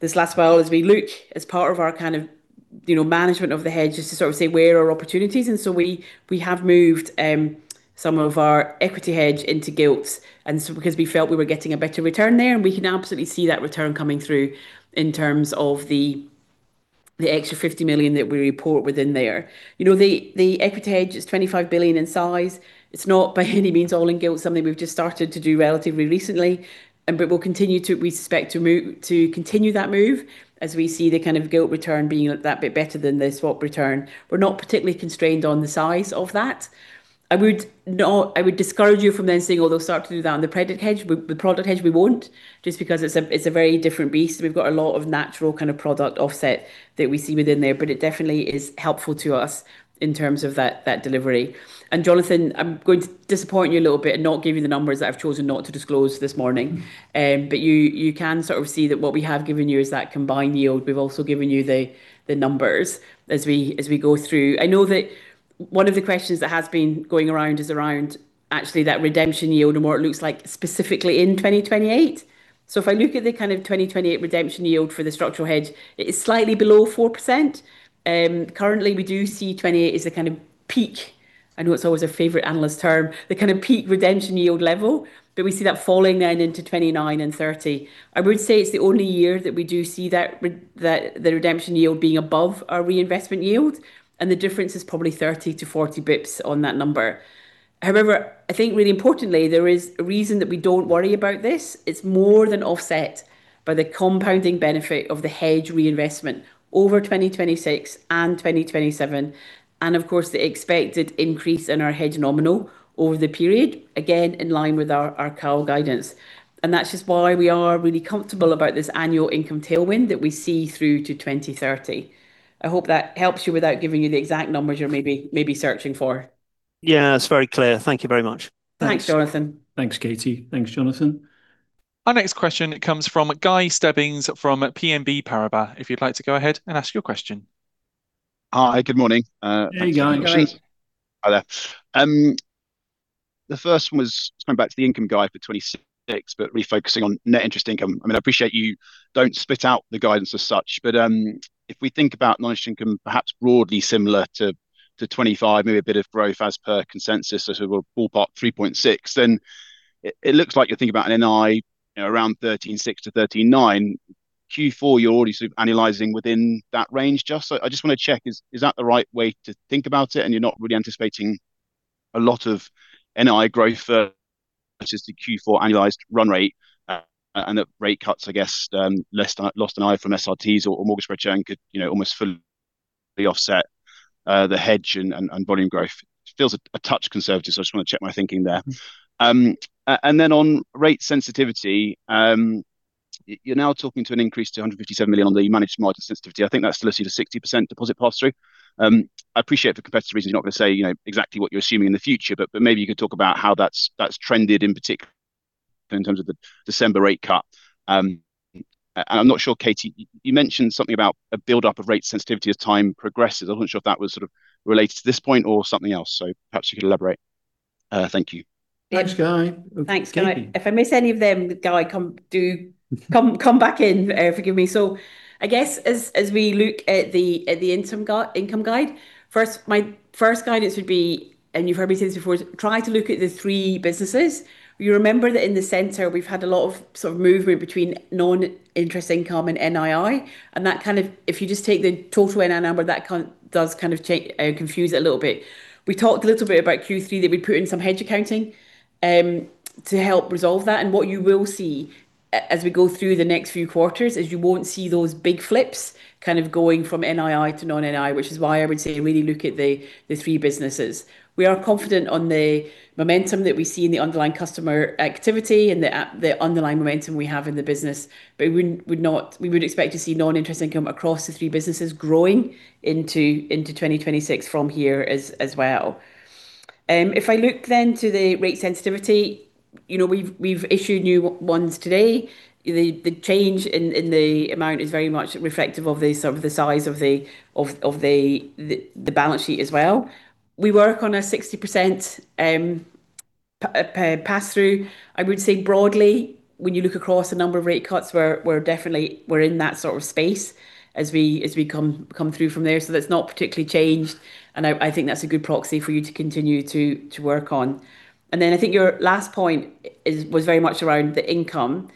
this last while, as we look as part of our kind of, you know, management of the hedge, just to sort of say, where are our opportunities? And so we, we have moved, some of our equity hedge into gilts, and so because we felt we were getting a better return there, and we can absolutely see that return coming through in terms of the. The extra 50 million that we report within there. You know, the equity hedge is 25 billion in size. It's not by any means all in gilt, something we've just started to do relatively recently, but we'll continue to, we expect to move, to continue that move as we see the kind of gilt return being that bit better than the swap return. We're not particularly constrained on the size of that. I would discourage you from then saying, well, they'll start to do that on the credit hedge. With the product hedge, we won't, just because it's a very different beast. We've got a lot of natural kind of product offset that we see within there, but it definitely is helpful to us in terms of that delivery. Jonathan, I'm going to disappoint you a little bit and not give you the numbers that I've chosen not to disclose this morning. But you, you can sort of see that what we have given you is that combined yield. We've also given you the, the numbers as we, as we go through. I know that one of the questions that has been going around is around actually that redemption yield and what it looks like specifically in 2028. So if I look at the kind of 2028 redemption yield for the structural hedge, it is slightly below 4%. Currently, we do see 2028 as a kind of peak. I know it's always a favorite analyst term, the kind of peak redemption yield level, but we see that falling then into 2029 and 2030. I would say it's the only year that we do see that the redemption yield being above our reinvestment yield, and the difference is probably 30-40 basis points on that number. However, I think really importantly, there is a reason that we don't worry about this. It's more than offset by the compounding benefit of the hedge reinvestment over 2026 and 2027, and of course, the expected increase in our hedge nominal over the period, again, in line with our call guidance. And that's just why we are really comfortable about this annual income tailwind that we see through to 2030. I hope that helps you without giving you the exact numbers you're maybe searching for. Yeah, it's very clear. Thank you very much. Thanks. Thanks, Jonathan. Thanks, Katie. Thanks, Jonathan. Our next question comes from Guy Stebbings, from BNP Paribas. If you'd like to go ahead and ask your question. Hi, good morning. Hey, Guy. Hi, Guy. Hi there. The first one was coming back to the income guide for 2026, but refocusing on net interest income. I mean, I appreciate you don't spit out the guidance as such, but if we think about non-interest income, perhaps broadly similar to 2025, maybe a bit of growth as per consensus, so sort of a ballpark 3.6, then it looks like you're thinking about an NII around 13.6-13.9. Q4, you're already sort of analyzing within that range, just so I just want to check, is that the right way to think about it, and you're not really anticipating a lot of NII growth versus the Q4 annualized run rate, and that rate cuts, I guess, less loss in NII from SRTs or mortgage spread compression could, you know, almost fully offset, the hedge and volume growth. Feels a touch conservative, so I just want to check my thinking there. And then on rate sensitivity, you're now talking to an increase to 157 million on the managed margin sensitivity. I think that's still a 60% deposit pass-through. I appreciate for competitive reasons, you're not gonna say, you know, exactly what you're assuming in the future, but, but maybe you could talk about how that's, that's trended, in particular, in terms of the December rate cut. And I'm not sure, Katie, you mentioned something about a buildup of rate sensitivity as time progresses. I'm not sure if that was sort of related to this point or something else, so perhaps you could elaborate. Thank you. Thanks, Guy. Thanks, Guy. Katie. If I miss any of them, Guy, come back in, forgive me. So I guess as we look at the interim guide, income guide, first, my first guidance would be, and you've heard me say this before, try to look at the three businesses. You remember that in the center, we've had a lot of sort of movement between non-interest income and NII, and that kind of does kind of take and confuse it a little bit. We talked a little bit about Q3, that we put in some hedge accounting to help resolve that, and what you will see as we go through the next few quarters is you won't see those big flips kind of going from NII to non-NII, which is why I would say really look at the three businesses. We are confident on the momentum that we see in the underlying customer activity and the underlying momentum we have in the business, but we would expect to see non-interest income across the three businesses growing into 2026 from here as well. If I look then to the rate sensitivity, you know, we've issued new ones today. The change in the amount is very much reflective of the size of the balance sheet as well. We work on a 60% pass-through. I would say broadly, when you look across a number of rate cuts, we're definitely in that sort of space as we come through from there. So that's not particularly changed, and I think that's a good proxy for you to continue to work on. And then I think your last point was very much around the income,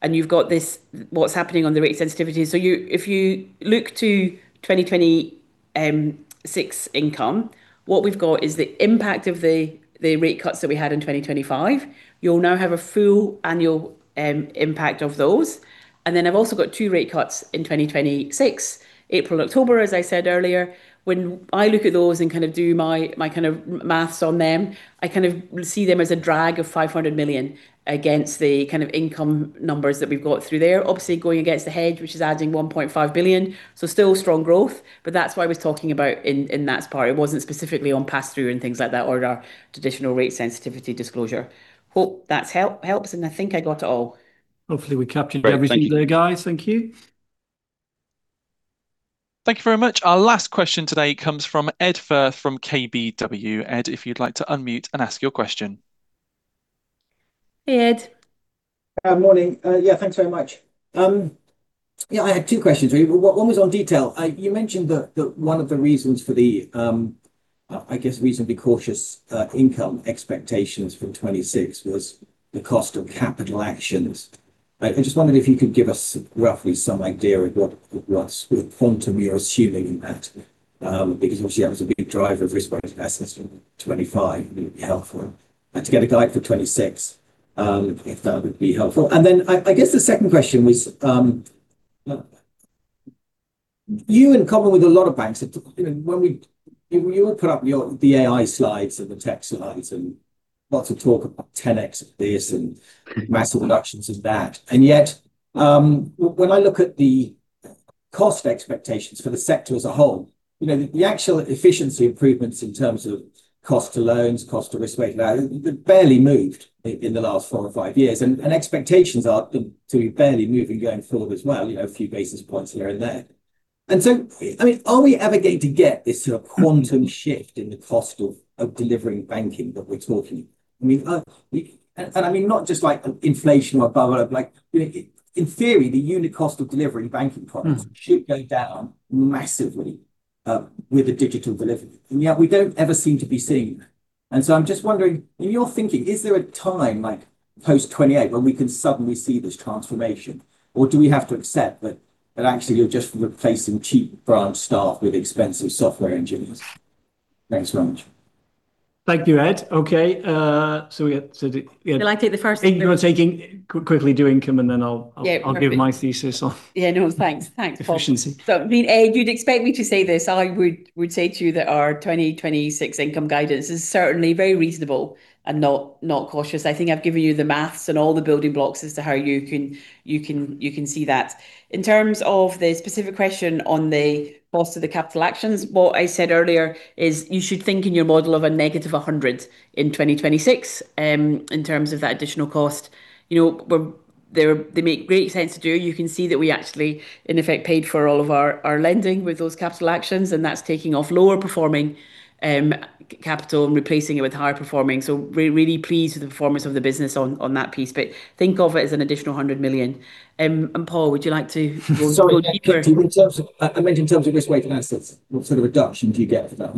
and you've got this, what's happening on the rate sensitivity. So if you look to 2026 income, what we've got is the impact of the rate cuts that we had in 2025. You'll now have a full annual impact of those. Then I've also got two rate cuts in 2026, April, October, as I said earlier. When I look at those and kind of do my kind of math on them, I kind of see them as a drag of 500 million against the kind of income numbers that we've got through there. Obviously, going against the hedge, which is adding 1.5 billion, so still strong growth, but that's why I was talking about in that part. It wasn't specifically on pass-through and things like that, or our traditional rate sensitivity disclosure. Hope that's helps, and I think I got it all. Hopefully, we captured everything there, guys. Great. Thank you. Thank you. Thank you very much. Our last question today comes from Ed Firth from KBW. Ed, if you'd like to unmute and ask your question. Hey, Ed. Morning. Yeah, thanks very much. Yeah, I had two questions for you. One was on detail. You mentioned that, that one of the reasons for the, I guess reasonably cautious, income expectations for 2026 was the cost of capital actions. I, I just wondered if you could give us roughly some idea of what, what sort of quantum you're assuming that, because obviously that was a big driver of risk-weighted assets in 2025. It would be helpful, and to get a guide for 2026, if that would be helpful. And then I, I guess the second question was, you in common with a lot of banks, you know, when we- you would put up your, the AI slides, and the tech slides, and lots of talk about 10x this, and massive reductions in that. And yet, when I look at the cost expectations for the sector as a whole, you know, the actual efficiency improvements in terms of cost to loans, cost to risk weight, they've barely moved in the last four or five years, and expectations are to be barely moving going forward as well, you know, a few basis points here and there. And so, I mean, are we ever going to get this sort of quantum shift in the cost of delivering banking that we're talking? I mean, we-- and I mean, not just like inflation or above, like, you know, in theory, the unit cost of delivering banking products. Mm. Should go down massively with the digital delivery, and yet we don't ever seem to be seeing that. And so I'm just wondering, in your thinking, is there a time, like post 2028, when we can suddenly see this transformation? Or do we have to accept that, that actually you're just replacing cheap branch staff with expensive software engineers? Thanks so much. Thank you, Ed. Okay, so we got. Will I take the first. I think you are taking, quickly do income, and then I'll. Yeah. I'll give my thesis on. Yeah, no, thanks. Thanks, Paul. Efficiency. So, I mean, Ed, you'd expect me to say this, I would say to you that our 2026 income guidance is certainly very reasonable and not cautious. I think I've given you the math and all the building blocks as to how you can see that. In terms of the specific question on the cost of the capital actions, what I said earlier is you should think in your model of a negative 100 in 2026 in terms of that additional cost. You know, they make great sense to do. You can see that we actually, in effect, paid for all of our lending with those capital actions, and that's taking off lower performing capital and replacing it with higher performing. So we're really pleased with the performance of the business on that piece but think of it as an additional 100 million. Paul, would you like to go deeper? Sorry, in terms of... I meant in terms of risk-weighted assets, what sort of reduction do you get for that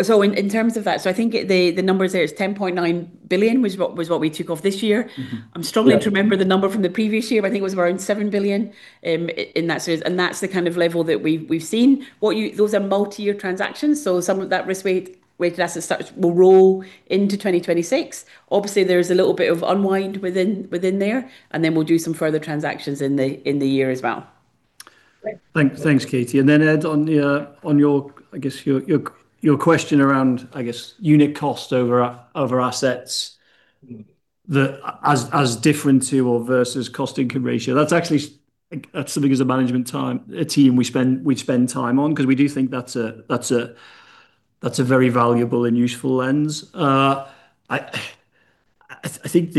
GBP 100 million? So in terms of that, so I think the numbers there is 10.9 billion, was what we took off this year. Mm-hmm. Yeah. I'm struggling to remember the number from the previous year, but I think it was around 7 billion in that series, and that's the kind of level that we've seen. What you-- those are multi-year transactions, so some of that risk-weighted assets as such will roll into 2026. Obviously, there is a little bit of unwind within there, and then we'll do some further transactions in the year as well. Thanks, Katie. Then, Ed, on your question around, I guess, unit cost over our assets, as different to or versus cost-income ratio, that's actually something as a management team we spend time on, 'cause we do think that's a very valuable and useful lens. I think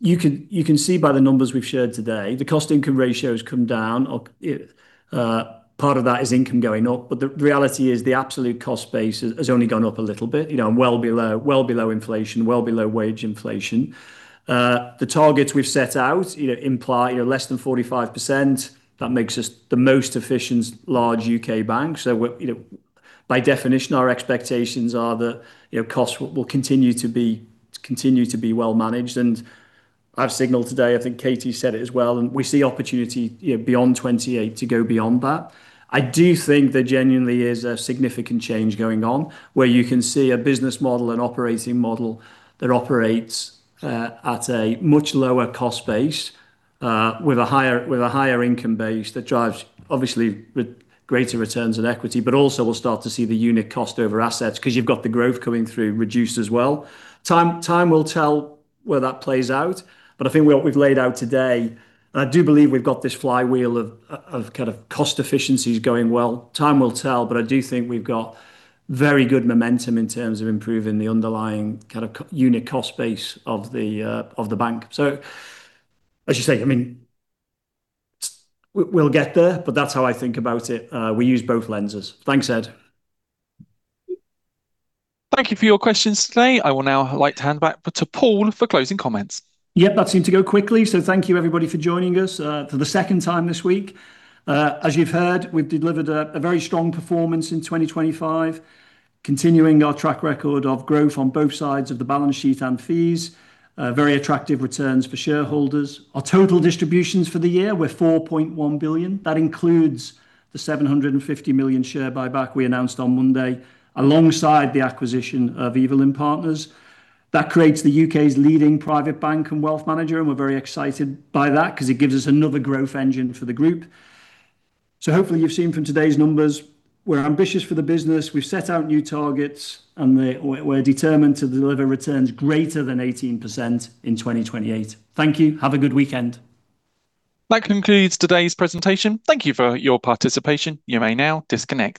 you can see by the numbers we've shared today, the cost-income ratio has come down, part of that is income going up, but the reality is the absolute cost base has only gone up a little bit, you know, well below inflation, well below wage inflation. The targets we've set out, you know, imply, you know, less than 45%. That makes us the most efficient large UK bank. So we, you know, by definition, our expectations are that, you know, costs will continue to be well managed, and I've signaled today, I think Katie said it as well, and we see opportunity, you know, beyond 28 to go beyond that. I do think there genuinely is a significant change going on, where you can see a business model and operating model that operates at a much lower cost base with a higher income base that drives, obviously, with greater returns on equity, but also we'll start to see the unit cost over assets, 'cause you've got the growth coming through reduced as well. Time will tell where that plays out, but I think what we've laid out today, and I do believe we've got this flywheel of kind of cost efficiencies going well. Time will tell, but I do think we've got very good momentum in terms of improving the underlying kind of cost-unit cost base of the bank. So, as you say, I mean, we'll get there, but that's how I think about it. We use both lenses. Thanks, Ed. Thank you for your questions today. I will now like to hand back to Paul for closing comments. Yep, that seemed to go quickly, so thank you, everybody, for joining us for the second time this week. As you've heard, we've delivered a very strong performance in 2025, continuing our track record of growth on both sides of the balance sheet and fees. Very attractive returns for shareholders. Our total distributions for the year were 4.1 billion. That includes the 750 million share buyback we announced on Monday, alongside the acquisition of Evelyn Partners. That creates the UK's leading private bank and wealth manager, and we're very excited by that because it gives us another growth engine for the group. So hopefully, you've seen from today's numbers, we're ambitious for the business. We've set out new targets, and we're determined to deliver returns greater than 18% in 2028. Thank you. Have a good weekend. That concludes today's presentation. Thank you for your participation. You may now disconnect.